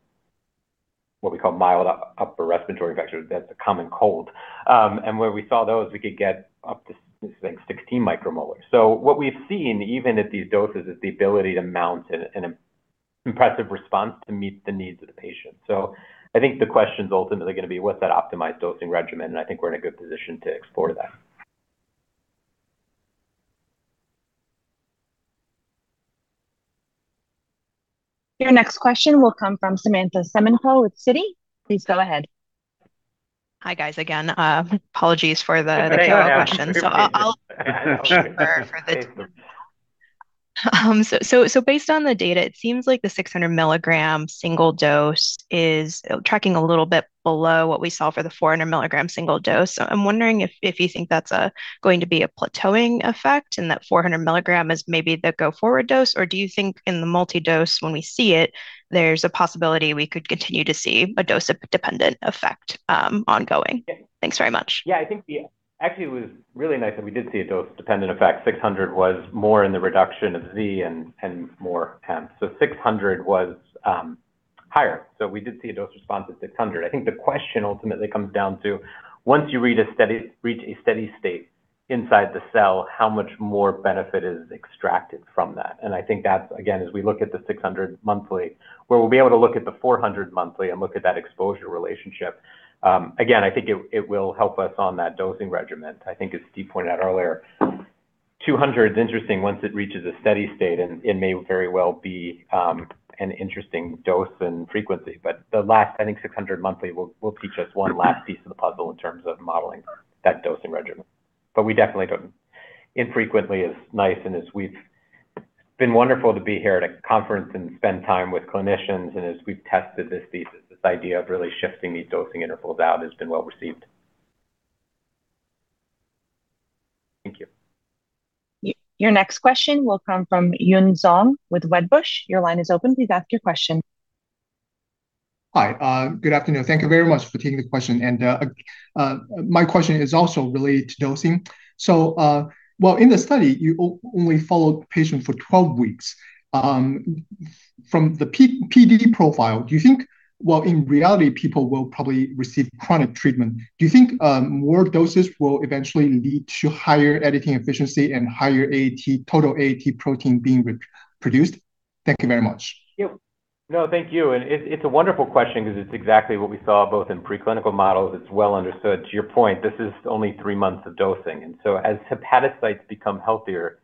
what we call mild upper respiratory infection, that's a common cold. Where we saw those, we could get up to, I think, 16 micromolar. What we've seen, even at these doses, is the ability to mount an impressive response to meet the needs of the patient. I think the question's ultimately gonna be what's that optimized dosing regimen, and I think we're in a good position to explore that.
Your next question will come from Samantha Semenkow with Citi. Please go ahead.
Hi, guys, again.
Hey
follow-up question. Based on the data, it seems like the 600 milligram single dose is tracking a little bit below what we saw for the 400 milligram single dose. I'm wondering if you think that's a going to be a plateauing effect and that 400 milligram is maybe the go-forward dose? Do you think in the multi-dose, when we see it, there's a possibility we could continue to see a dose of dependent effect, ongoing? Thanks very much.
I think, actually, it was really nice that we did see a dose-dependent effect. 600 was more in the reduction of Z and more M. 600 was higher. We did see a dose response at 600. I think the question ultimately comes down to, once you reach a steady state inside the cell, how much more benefit is extracted from that? I think that's, again, as we look at the 600 monthly, where we'll be able to look at the 400 monthly and look at that exposure relationship, again, I think it will help us on that dosing regimen. I think as Steve Seedhouse pointed out earlier, 200 is interesting once it reaches a steady state, and it may very well be an interesting dose and frequency. The last, I think, 600 monthly will teach us one last piece of the puzzle in terms of modeling that dosing regimen. We definitely don't. Infrequently is nice. It's been wonderful to be here at a conference and spend time with clinicians, and as we've tested this thesis, this idea of really shifting these dosing intervals out has been well-received. Thank you.
Your next question will come from Yun Zhong with Wedbush. Your line is open. Please ask your question.
Hi. Good afternoon. Thank you very much for taking the question. My question is also related to dosing. Well, in the study, you only followed patient for 12 weeks. From the PD profile, do you think Well, in reality, people will probably receive chronic treatment. Do you think more doses will eventually lead to higher editing efficiency and higher AAT, total AAT protein being re-produced? Thank you very much.
No, thank you, and it's a wonderful question because it's exactly what we saw both in preclinical models. It's well understood. To your point, this is only three months of dosing, as hepatocytes become healthier,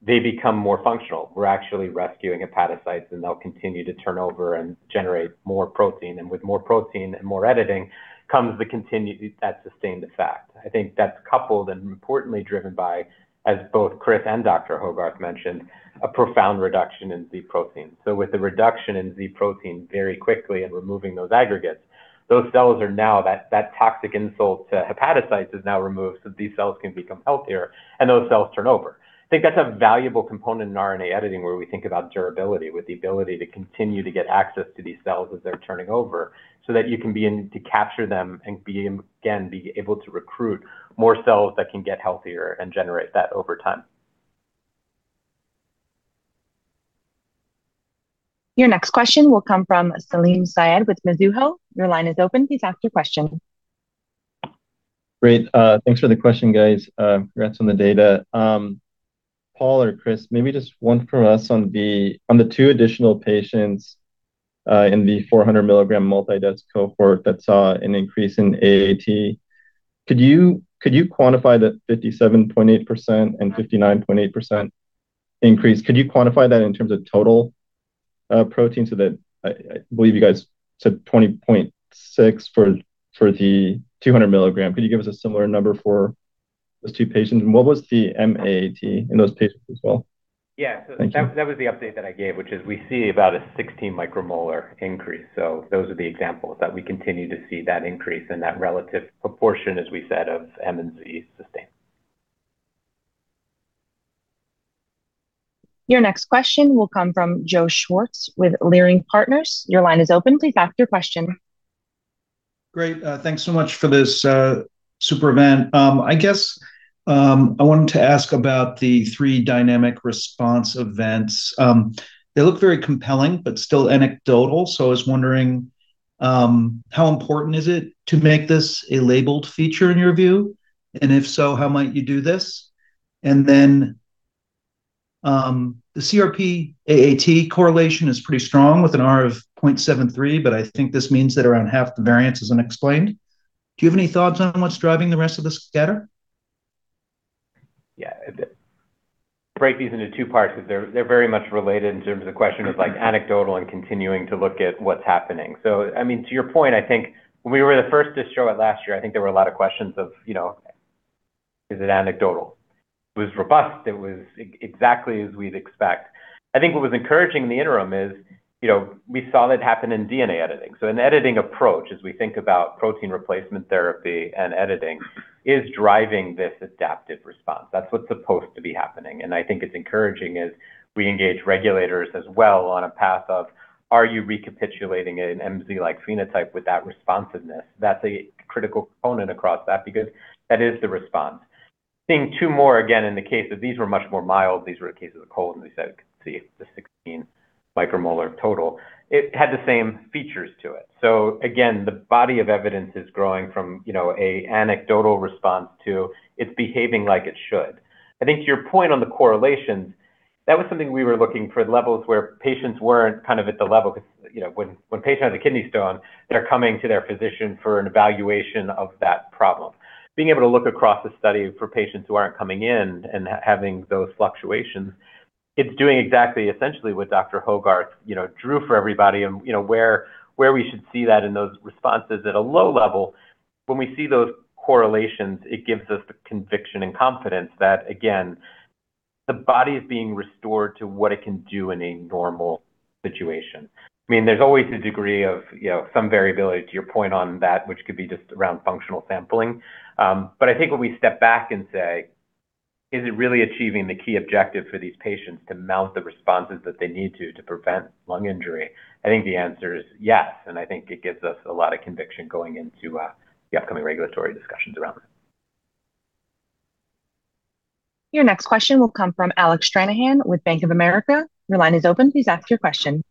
they become more functional. We're actually rescuing hepatocytes, and they'll continue to turn over and generate more protein. With more protein and more editing comes the continued sustained effect. I think that's coupled and importantly driven by, as both Chris and Dr. Hogarth mentioned, a profound reduction in Z protein. With the reduction in Z protein very quickly and removing those aggregates, those cells are now, that toxic insult to hepatocytes is now removed, so these cells can become healthier and those cells turn over. I think that's a valuable component in RNA editing, where we think about durability, with the ability to continue to get access to these cells as they're turning over, so that you can begin to capture them and be able to recruit more cells that can get healthier and generate that over time.
Your next question will come from Salim Syed with Mizuho. Your line is open. Please ask your question.
Great. Thanks for the question, guys. Congrats on the data. Paul or Chris, maybe just one from us on the two additional patients in the 400 milligram multi-dose cohort that saw an increase in AAT. Could you quantify the 57.8% and 59.8% increase? Could you quantify that in terms of total protein so that I believe you guys said 20.6 for the 200 milligram. Could you give us a similar number for those two patients? What was the M-AAT in those patients as well?
Yeah.
Thank you.
that was the update that I gave, which is we see about a 16 micromolar increase. Those are the examples that we continue to see that increase and that relative proportion, as we said, of M and Z sustained.
Your next question will come from Joseph Schwartz with Leerink Partners. Your line is open. Please ask your question.
Great. Thanks so much for this super event. I guess, I wanted to ask about the three dynamic response events. They look very compelling, but still anecdotal. I was wondering, how important is it to make this a labeled feature in your view? If so, how might you do this? The CRP-AAT correlation is pretty strong with an R of 0.73, but I think this means that around half the variance is unexplained. Do you have any thoughts on what's driving the rest of the scatter?
Yeah. Break these into two parts because they're very much related in terms of the question of, like, anecdotal and continuing to look at what's happening. I mean, to your point, I think when we were the first to show it last year, I think there were a lot of questions of, you know, is it anecdotal? It was robust. It was exactly as we'd expect. I think what was encouraging in the interim is, you know, we saw that happen in DNA editing. An editing approach, as we think about protein replacement therapy and editing, is driving this adaptive response. That's what's supposed to be happening. I think it's encouraging as we engage regulators as well on a path of, are you recapitulating an MZ-like phenotype with that responsiveness? That's a critical component across that because that is the response. Seeing 2 more, again, in the case of these were much more mild, these were cases of cold. We said we could see the 16 micromolar total. It had the same features to it. Again, the body of evidence is growing from, you know, a anecdotal response to it's behaving like it should. I think to your point on the correlations, that was something we were looking for levels where patients weren't kind of at the level because, you know, when patients have a kidney stone, they're coming to their physician for an evaluation of that problem. Being able to look across the study for patients who aren't coming in and having those fluctuations, it's doing exactly essentially what Dr. Hogarth, you know, drew for everybody and, you know, where we should see that in those responses at a low level. When we see those correlations, it gives us the conviction and confidence that, again, the body is being restored to what it can do in a normal situation. I mean, there's always a degree of, you know, some variability to your point on that, which could be just around functional sampling. I think when we step back and say, "Is it really achieving the key objective for these patients to mount the responses that they need to to prevent lung injury?" I think the answer is yes, and I think it gives us a lot of conviction going into the upcoming regulatory discussions around this.
Your next question will come from Alec Stranahan with Bank of America. Your line is open. Please ask your question.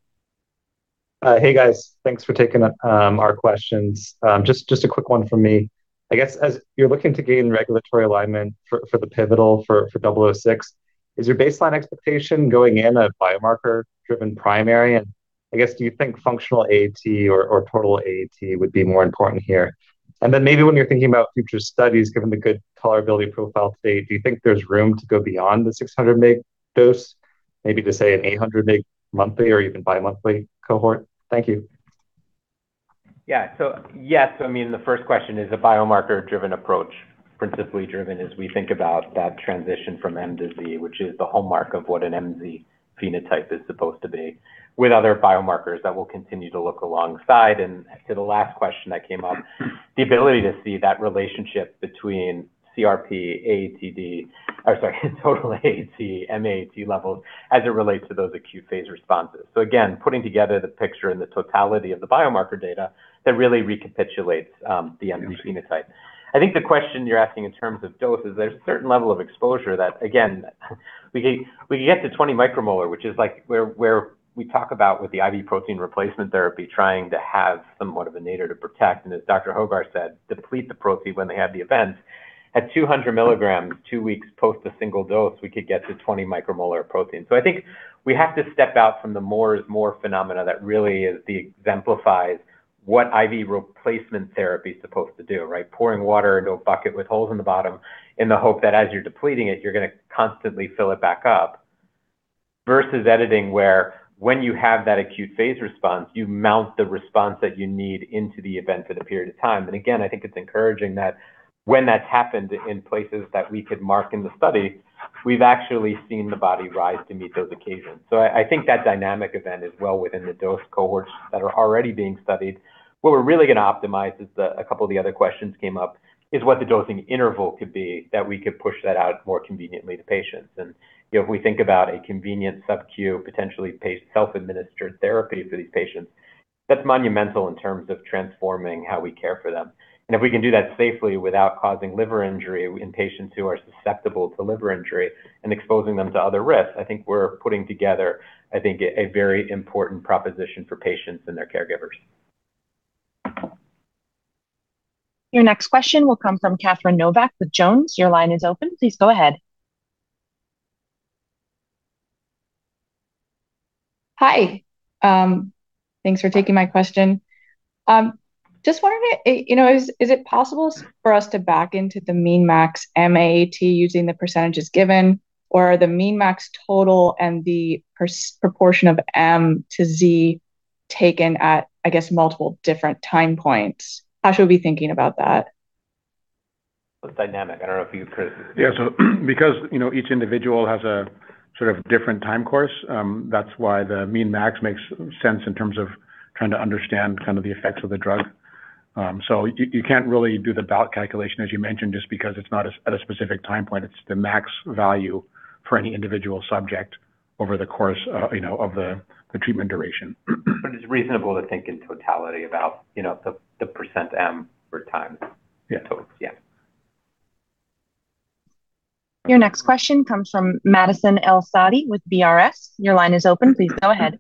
Hey, guys. Thanks for taking our questions. Just a quick one from me. I guess as you're looking to gain regulatory alignment for the pivotal for WVE-006, is your baseline expectation going in a biomarker-driven primary? I guess, do you think functional AAT or total AAT would be more important here? Then maybe when you're thinking about future studies, given the good tolerability profile to date, do you think there's room to go beyond the 600 mg dose, maybe to, say, an 800 mg monthly or even bi-monthly cohort? Thank you.
Yes, I mean, the first question is a biomarker-driven approach, principally driven as we think about that transition from M-Z, which is the hallmark of what an MZ phenotype is supposed to be, with other biomarkers that we'll continue to look alongside. To the last question that came up, the ability to see that relationship between CRP, total AAT, M-AAT levels as it relates to those acute phase responses. Again, putting together the picture and the totality of the biomarker data, that really recapitulates the MZ phenotype. I think the question you're asking in terms of dose is there's a certain level of exposure that, again, we can get to 20 micromolar, which is, like, where we talk about with the IV protein replacement therapy, trying to have somewhat of a nadir to protect, and as Dr. Hogarth said, deplete the protein when they have the events. At 200 mg, two weeks post a single dose, we could get to 20 micromolar of protein. I think we have to step out from the more is more phenomena that really exemplifies what IV replacement therapy is supposed to do, right? Pouring water into a bucket with holes in the bottom in the hope that as you're depleting it, you're gonna constantly fill it back up. Versus editing, where when you have that acute phase response, you mount the response that you need into the event at a period of time. Again, I think it's encouraging that when that's happened in places that we could mark in the study, we've actually seen the body rise to meet those occasions. I think that dynamic event is well within the dose cohorts that are already being studied. What we're really going to optimize is a couple of the other questions came up, what the dosing interval could be, that we could push that out more conveniently to patients. You know, if we think about a convenient sub-Q, potentially self-administered therapy for these patients, that's monumental in terms of transforming how we care for them. If we can do that safely without causing liver injury in patients who are susceptible to liver injury and exposing them to other risks, I think we're putting together, I think, a very important proposition for patients and their caregivers.
Your next question will come from Catherine Novack with JonesTrading. Your line is open. Please go ahead.
Hi. Thanks for taking my question. Just wondering, you know, is it possible for us to back into the mean max M-AAT using the % given, or are the mean max total and the proportion of M-Z taken at, I guess, multiple different time points? How should we be thinking about that?
It's dynamic. I don't know if you could-
Yeah. Because, you know, each individual has a sort of different time course, that's why the mean max makes sense in terms of trying to understand kind of the effects of the drug. You, you can't really do the bout calculation, as you mentioned, just because it's not at a specific time point. It's the max value for any individual subject. Over the course of, you know, of the treatment duration.
It's reasonable to think in totality about, you know, the % M for time.
Yeah.
Yeah.
Your next question comes from Madison El-Saadi with BRS. Your line is open. Please go ahead.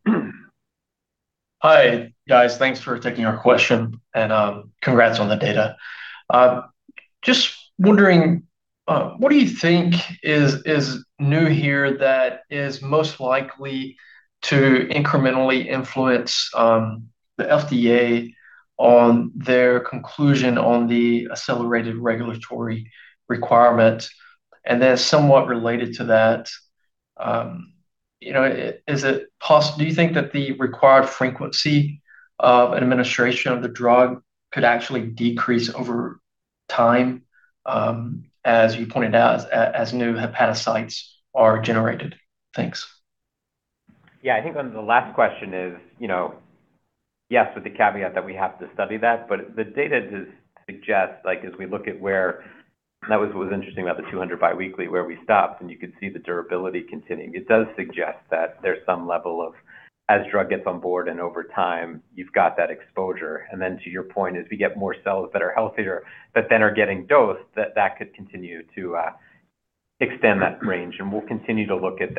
Hi, guys. Thanks for taking our question, and congrats on the data. Just wondering, what do you think is new here that is most likely to incrementally influence the FDA on their conclusion on the accelerated regulatory requirement? Somewhat related to that, you know, do you think that the required frequency of an administration of the drug could actually decrease over time, as you pointed out, as new hepatocytes are generated? Thanks.
Yeah. I think on the last question is, you know, yes, with the caveat that we have to study that, but the data does suggest, like as we look at where That was what was interesting about the 200 biweekly, where we stopped, and you could see the durability continuing. It does suggest that there's some level of as drug gets on board and over time, you've got that exposure. Then to your point, as we get more cells that are healthier but then are getting dosed, that could continue to extend that range, and we'll continue to look at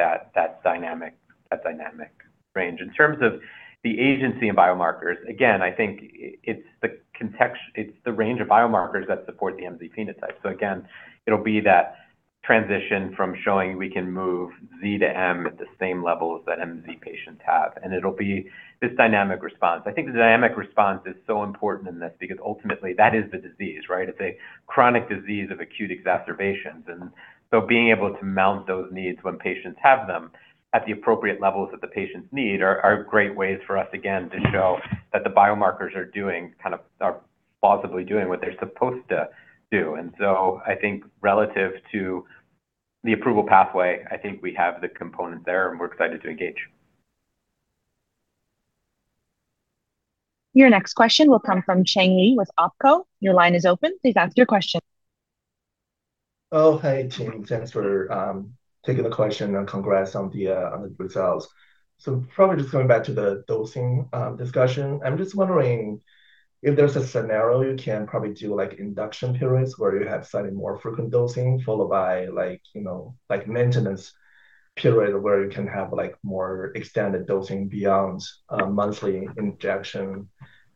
that dynamic range. In terms of the agency and biomarkers, again, I think it's the context, it's the range of biomarkers that support the MZ phenotype. Again, it'll be that transition from showing we can move Z-M at the same levels that MZ patients have, and it'll be this dynamic response. I think the dynamic response is so important in this because ultimately that is the disease, right? It's a chronic disease of acute exacerbations. Being able to mount those needs when patients have them at the appropriate levels that the patients need are great ways for us, again, to show that the biomarkers are doing, kind of, are plausibly doing what they're supposed to do. I think relative to the approval pathway, I think we have the components there, and we're excited to engage.
Your next question will come from Cheng Li with Oppenheimer. Your line is open. Please ask your question.
Oh, hey, team. Thanks for taking the question, and congrats on the good sales. Probably just coming back to the dosing discussion. I'm just wondering if there's a scenario you can probably do, like induction periods where you have slightly more frequent dosing followed by like, you know, like maintenance period where you can have, like more extended dosing beyond monthly injection.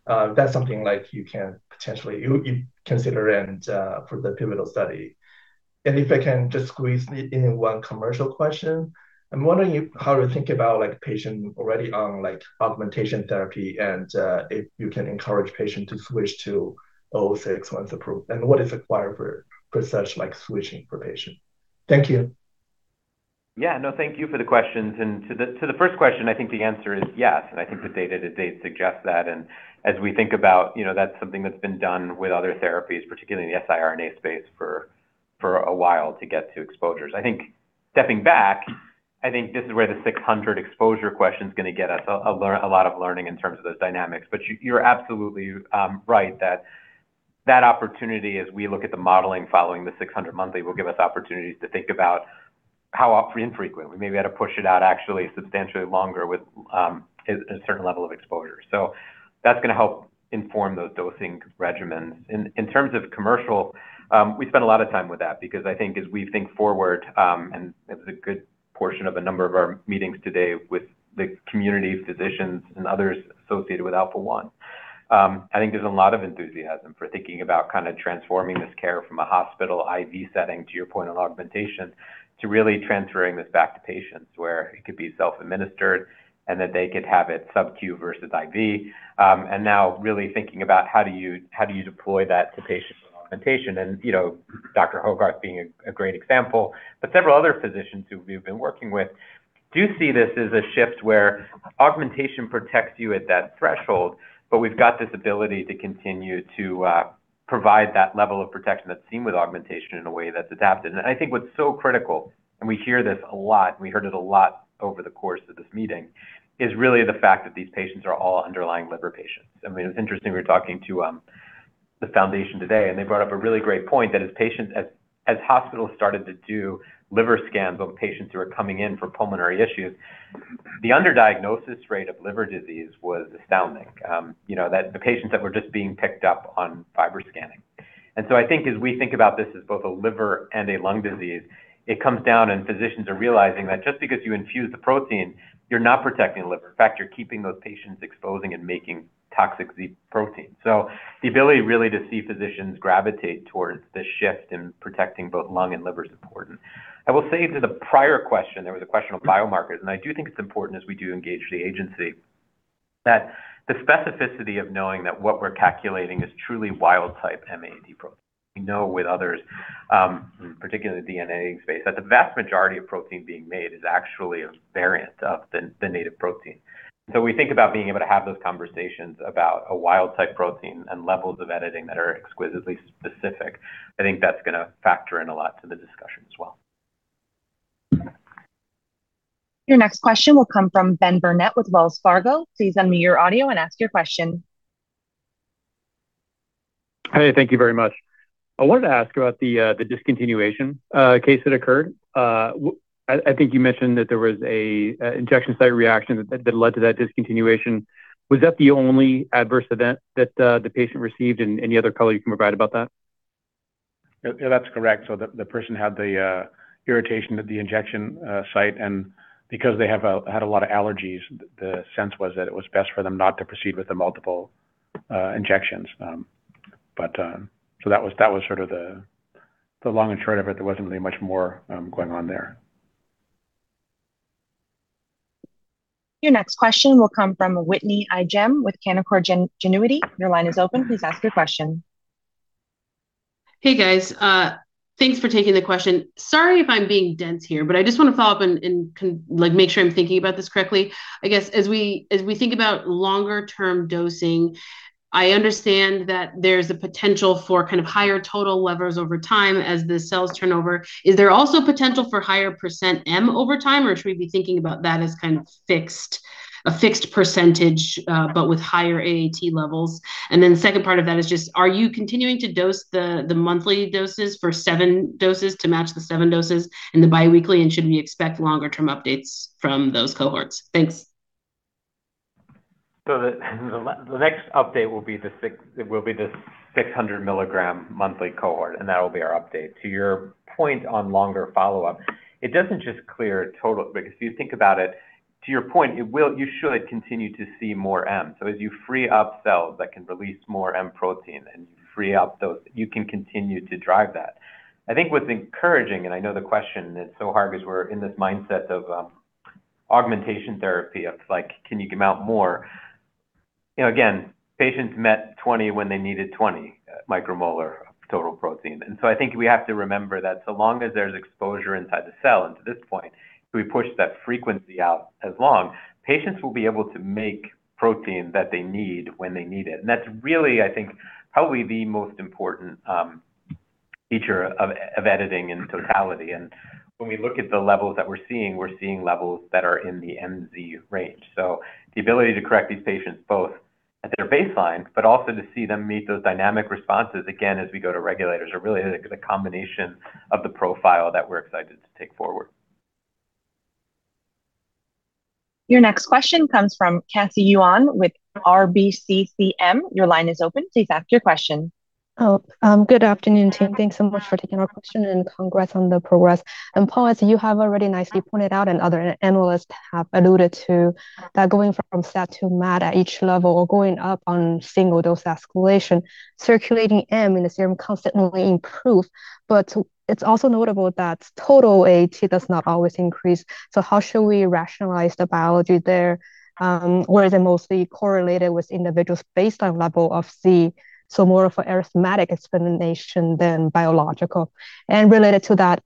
That's something like you can potentially consider for the pivotal study. If I can just squeeze in one commercial question. I'm wondering how to think about like patient already on like augmentation therapy, if you can encourage patient to switch to WVE-006 once approved, and what is required for such like switching for patient. Thank you.
Yeah. No, thank you for the questions. To the first question, I think the answer is yes, and I think the data to date suggests that. As we think about, you know, that's something that's been done with other therapies, particularly in the siRNA space for a while to get to exposures. I think stepping back, I think this is where the 600 exposure question's gonna get us a lot of learning in terms of those dynamics. You're absolutely right that that opportunity, as we look at the modeling following the 600 monthly, will give us opportunities to think about how often frequently. Maybe I had to push it out actually substantially longer with a certain level of exposure. That's gonna help inform those dosing regimens. In terms of commercial, we spend a lot of time with that because I think as we think forward. It was a good portion of a number of our meetings today with the communities, physicians, and others associated with Alpha-1. I think there's a lot of enthusiasm for thinking about kind of transforming this care from a hospital IV setting to your point on augmentation, to really transferring this back to patients where it could be self-administered and that they could have it sub-Q versus IV. Now really thinking about how do you deploy that to patient augmentation. You know, Dr. Hogarth being a great example. Several other physicians who we've been working with do see this as a shift where augmentation protects you at that threshold, but we've got this ability to continue to provide that level of protection that's seen with augmentation in a way that's adapted. I think what's so critical, and we hear this a lot, and we heard it a lot over the course of this meeting, is really the fact that these patients are all underlying liver patients. I mean, it's interesting we're talking to the foundation today, and they brought up a really great point that as hospitals started to do liver scans on patients who are coming in for pulmonary issues, the underdiagnosis rate of liver disease was astounding. You know, that the patients that were just being picked up on FibroScan. I think as we think about this as both a liver and a lung disease, it comes down and physicians are realizing that just because you infuse the protein, you're not protecting liver. In fact, you're keeping those patients exposing and making toxic Z protein. The ability really to see physicians gravitate towards this shift in protecting both lung and liver is important. I will say to the prior question, there was a question of biomarkers, and I do think it's important as we do engage the agency, that the specificity of knowing that what we're calculating is truly wild type M-AAT protein. We know with others, particularly the DNA space, that the vast majority of protein being made is actually a variant of the native protein. We think about being able to have those conversations about a wild-type protein and levels of editing that are exquisitely specific. I think that's gonna factor in a lot to the discussion as well.
Your next question will come from Benjamin Burnett with Wells Fargo. Please unmute your audio and ask your question.
Hey, thank you very much. I wanted to ask about the discontinuation case that occurred. I think you mentioned that there was a injection site reaction that led to that discontinuation. Was that the only adverse event that the patient received? Any other color you can provide about that?
Yeah, yeah, that's correct. The person had the irritation at the injection site, and because they had a lot of allergies, the sense was that it was best for them not to proceed with the multiple injections. That was sort of the long and short of it. There wasn't really much more going on there.
Your next question will come from Whitney Ijem with Canaccord Genuity. Your line is open. Please ask your question.
Hey, guys. Thanks for taking the question. Sorry if I'm being dense here, but I just wanna follow up and make sure I'm thinking about this correctly. I guess, as we think about longer-term dosing, I understand that there's a potential for kind of higher total levels over time as the cells turn over. Is there also potential for higher % M over time, or should we be thinking about that as kind of fixed, a fixed percentage, but with higher AAT levels? The second part of that is just, are you continuing to dose the monthly doses for seven doses to match the seven doses in the biweekly, and should we expect longer term updates from those cohorts? Thanks.
The next update will be the 600 milligram monthly cohort, and that will be our update. To your point on longer follow-up, it doesn't just clear total Because if you think about it, to your point, you will, you should continue to see more M-AAT. As you free up cells that can release more M-AAT and you free up those, you can continue to drive that. I think what's encouraging, and I know the question, it's so hard because we're in this mindset of augmentation therapy of, like, can you come out more? You know, again, patients met 20 when they needed 20 micromolar total protein. I think we have to remember that so long as there's exposure inside the cell, and to this point, we push that frequency out as long, patients will be able to make protein that they need when they need it. That's really, I think, probably the most important feature of editing in totality. When we look at the levels that we're seeing, we're seeing levels that are in the MZ range. The ability to correct these patients both at their baseline, but also to see them meet those dynamic responses, again, as we go to regulators, are really the combination of the profile that we're excited to take forward.
Your next question comes from Cassie Yuan with RBCCM. Your line is open. Please ask your question.
Good afternoon, team. Thanks so much for taking our question, congrats on the progress. Paul, as you have already nicely pointed out and other analysts have alluded to, that going from SAD to M-AAT at each level or going up on single-dose escalation, circulating M in the serum constantly improve. It's also notable that total AAT does not always increase. How should we rationalize the biology there? Is it mostly correlated with individual's baseline level of Z, so more of arithmetic explanation than biological? Related to that,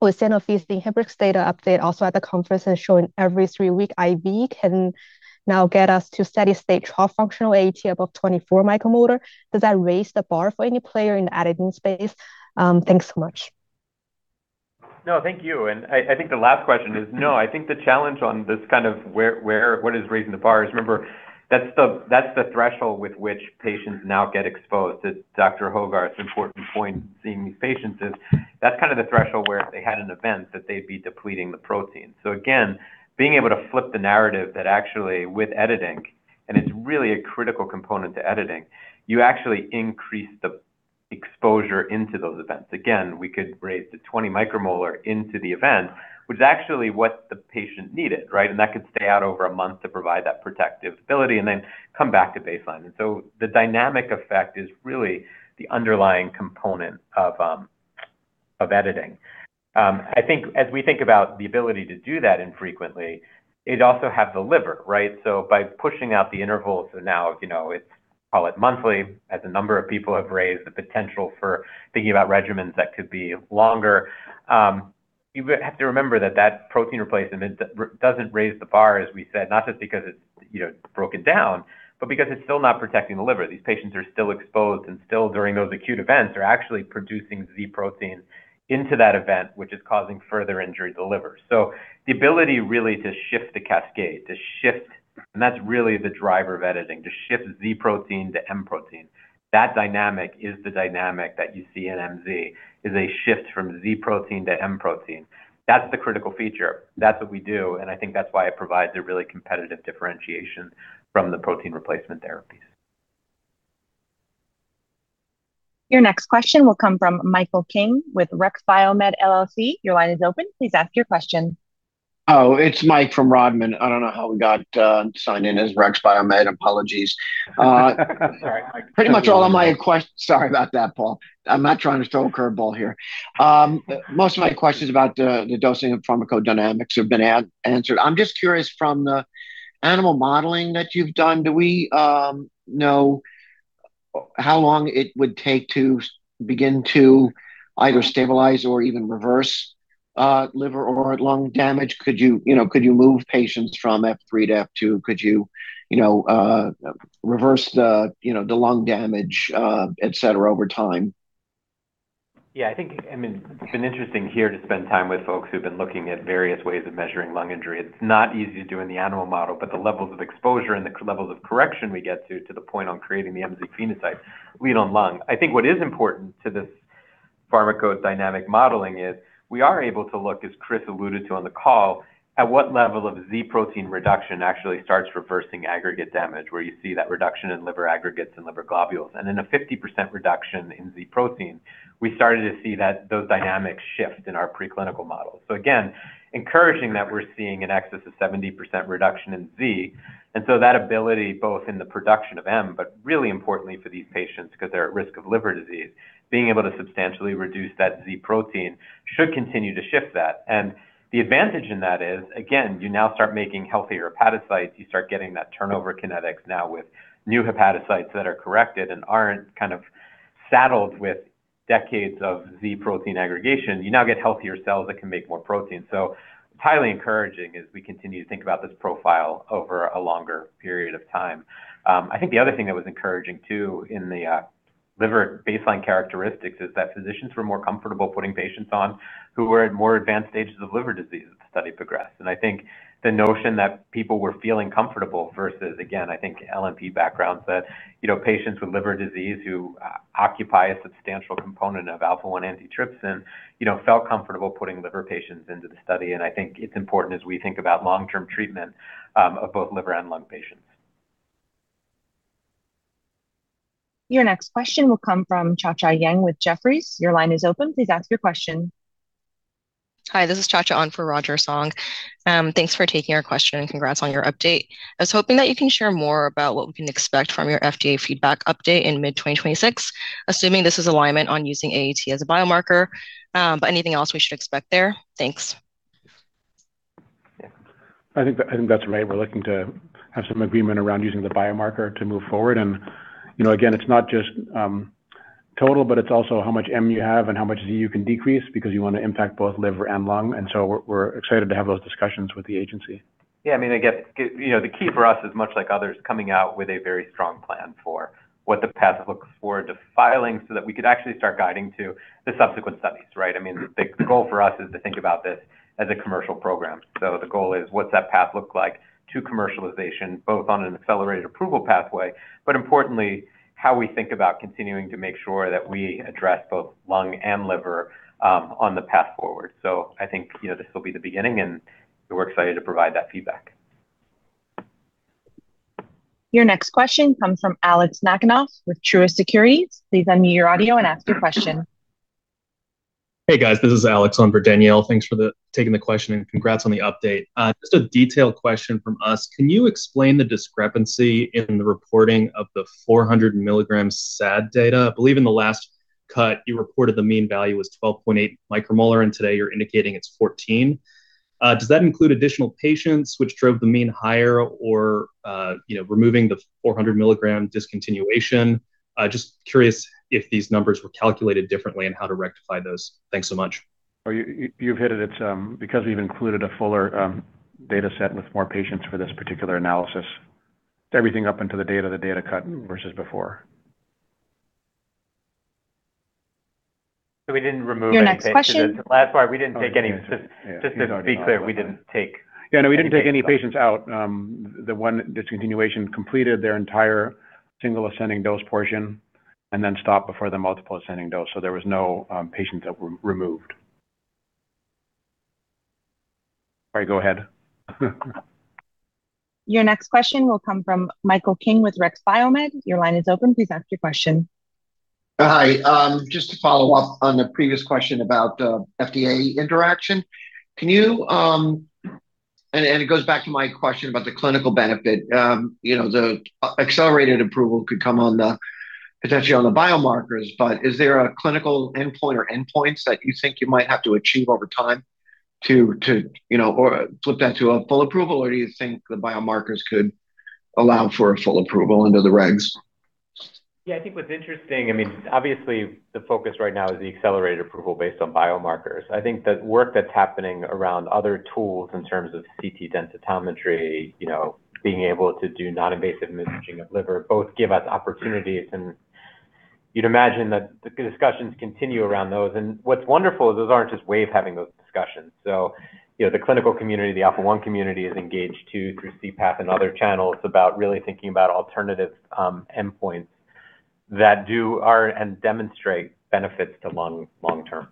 with Sanofi's Inhibrx data update also at the conference and showing every 3-week IV can now get us to steady-state trough functional AAT above 24 micromolar, does that raise the bar for any player in the editing space? Thanks so much.
No, thank you. I think the last question is, no, I think the challenge on this kind of what is raising the bar is, remember, that's the threshold with which patients now get exposed. It's Dr. Hogarth's important point in seeing these patients is that's kind of the threshold where if they had an event, that they'd be depleting the protein. Again, being able to flip the narrative that actually with editing, and it's really a critical component to editing, you actually increase the exposure into those events. Again, we could raise the 20 micromolar into the event, which is actually what the patient needed, right? That could stay out over a month to provide that protective ability and then come back to baseline. The dynamic effect is really the underlying component of editing. I think as we think about the ability to do that infrequently, it also have the liver, right? By pushing out the intervals, so now, you know, it's, call it monthly, as a number of people have raised the potential for thinking about regimens that could be longer, you have to remember that protein replacement doesn't raise the bar, as we said, not just because it's, you know, broken down, but because it's still not protecting the liver. These patients are still exposed and still, during those acute events, are actually producing Z protein into that event, which is causing further injury to the liver. The ability really to shift the cascade, to shift, and that's really the driver of editing, to shift Z protein to M protein. That dynamic is the dynamic that you see in MZ, is a shift from Z protein to M protein. That is the critical feature. That is what we do, and I think that is why it provides a really competitive differentiation from the protein replacement therapies.
Your next question will come from Michael King with Rodman & Renshaw. Your line is open. Please ask your question.
Oh, it's Michael from Rodman. I don't know how we got signed in as Rex Biomed. Apologies.
Sorry.
Pretty much all of my Sorry about that, Paul. I'm not trying to throw a curveball here. Most of my questions about the dosing and pharmacodynamics have been answered. I'm just curious, from the animal modeling that you've done, do we know how long it would take to begin to either stabilize or even reverse liver or lung damage? Could you know, could you move patients from F3-F2? Could you know, reverse the, you know, the lung damage, et cetera, over time?
I think, I mean, it's been interesting here to spend time with folks who've been looking at various ways of measuring lung injury. It's not easy to do in the animal model, but the levels of exposure and the levels of correction we get to the point on creating the MZ phenotype lead on lung. I think what is important to this pharmacodynamic modeling is we are able to look, as Chris alluded to on the call, at what level of Z protein reduction actually starts reversing aggregate damage, where you see that reduction in liver aggregates and liver globules. In a 50% reduction in Z protein, we started to see that those dynamics shift in our preclinical models. Again, encouraging that we're seeing in excess of 70% reduction in Z. That ability both in the production of M, but really importantly for these patients because they're at risk of liver disease, being able to substantially reduce that Z protein should continue to shift that. The advantage in that is, again, you now start making healthier hepatocytes. You start getting that turnover kinetics now with new hepatocytes that are corrected and aren't kind of saddled with decades of Z protein aggregation. You now get healthier cells that can make more protein. It's highly encouraging as we continue to think about this profile over a longer period of time. I think the other thing that was encouraging too, in the liver baseline characteristics, is that physicians were more comfortable putting patients on who were at more advanced stages of liver disease as the study progressed. I think the notion that people were feeling comfortable versus, again, I think LNP backgrounds that, you know, patients with liver disease who, occupy a substantial component of Alpha-1 antitrypsin, you know, felt comfortable putting liver patients into the study. I think it's important as we think about long-term treatment of both liver and lung patients.
Your next question will come from Eun Yang with Jefferies. Your line is open. Please ask your question.
Hi, this is Eun Yang on for Roger Song. Thanks for taking our question, and congrats on your update. I was hoping that you can share more about what we can expect from your FDA feedback update in mid 2026, assuming this is alignment on using AAT as a biomarker. Anything else we should expect there? Thanks.
Yeah. I think that's right. We're looking to have some agreement around using the biomarker to move forward. You know, again, it's not just total, but it's also how much M you have and how much Z you can decrease because you wanna impact both liver and lung. We're excited to have those discussions with the Agency.
Yeah, I mean, again, you know, the key for us is much like others coming out with a very strong plan for what the path looks for to filing so that we could actually start guiding to the subsequent studies, right? I mean, the goal for us is to think about this as a commercial program. The goal is, what's that path look like to commercialization, both on an accelerated approval pathway, but importantly, how we think about continuing to make sure that we address both lung and liver on the path forward. I think, you know, this will be the beginning, and we're excited to provide that feedback.
Your next question comes from [Alex Nakinov with Truist Securities]. Please unmute your audio and ask your question.
Hey, guys, this is [Alex] on for Danielle. Thanks for taking the question and congrats on the update. Just a detailed question from us. Can you explain the discrepancy in the reporting of the 400 mg SAD data? I believe in the last cut you reported the mean value was 12.8 micromolar, and today you're indicating it's 14. Does that include additional patients which drove the mean higher or, you know, removing the 400 mg discontinuation? Just curious if these numbers were calculated differently and how to rectify those. Thanks so much.
Oh, you've hit it. It's because we've included a fuller data set with more patients for this particular analysis, everything up until the date of the data cut versus before.
We didn't remove any patients.
Your next question.
Last part, we didn't take any-
Oh.
Just to be clear.
Yeah, no, we didn't take any patients out. The one discontinuation completed their entire single ascending dose portion and then stopped before the multiple ascending dose. There was no patients that were removed. Sorry, go ahead.
Your next question will come from Michael King with Rodman & Renshaw. Your line is open. Please ask your question.
Hi. Just to follow up on the previous question about FDA interaction. Can you. It goes back to my question about the clinical benefit. You know, the accelerated approval could come on the, potentially on the biomarkers, but is there a clinical endpoint or endpoints that you think you might have to achieve over time to, you know, or flip that to a full approval, or do you think the biomarkers could allow for a full approval under the regs?
Yeah, I think what's interesting, I mean, obviously the focus right now is the accelerated approval based on biomarkers. I think the work that's happening around other tools in terms of CT densitometry, you know, being able to do non-invasive imaging of liver both give us opportunities. You'd imagine that the discussions continue around those. What's wonderful is those aren't just ways of having those discussions. The clinical community, the Alpha-1 community is engaged too, through C-Path and other channels about really thinking about alternative endpoints that do, are, and demonstrate benefits to lung long term.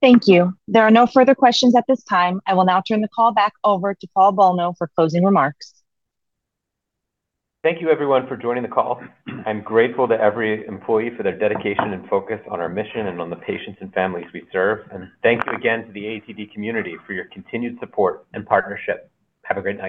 Thank you. There are no further questions at this time. I will now turn the call back over to Paul Bolno for closing remarks.
Thank you everyone for joining the call. I'm grateful to every employee for their dedication and focus on our mission and on the patients and families we serve. Thanks again to the ATD community for your continued support and partnership. Have a great night.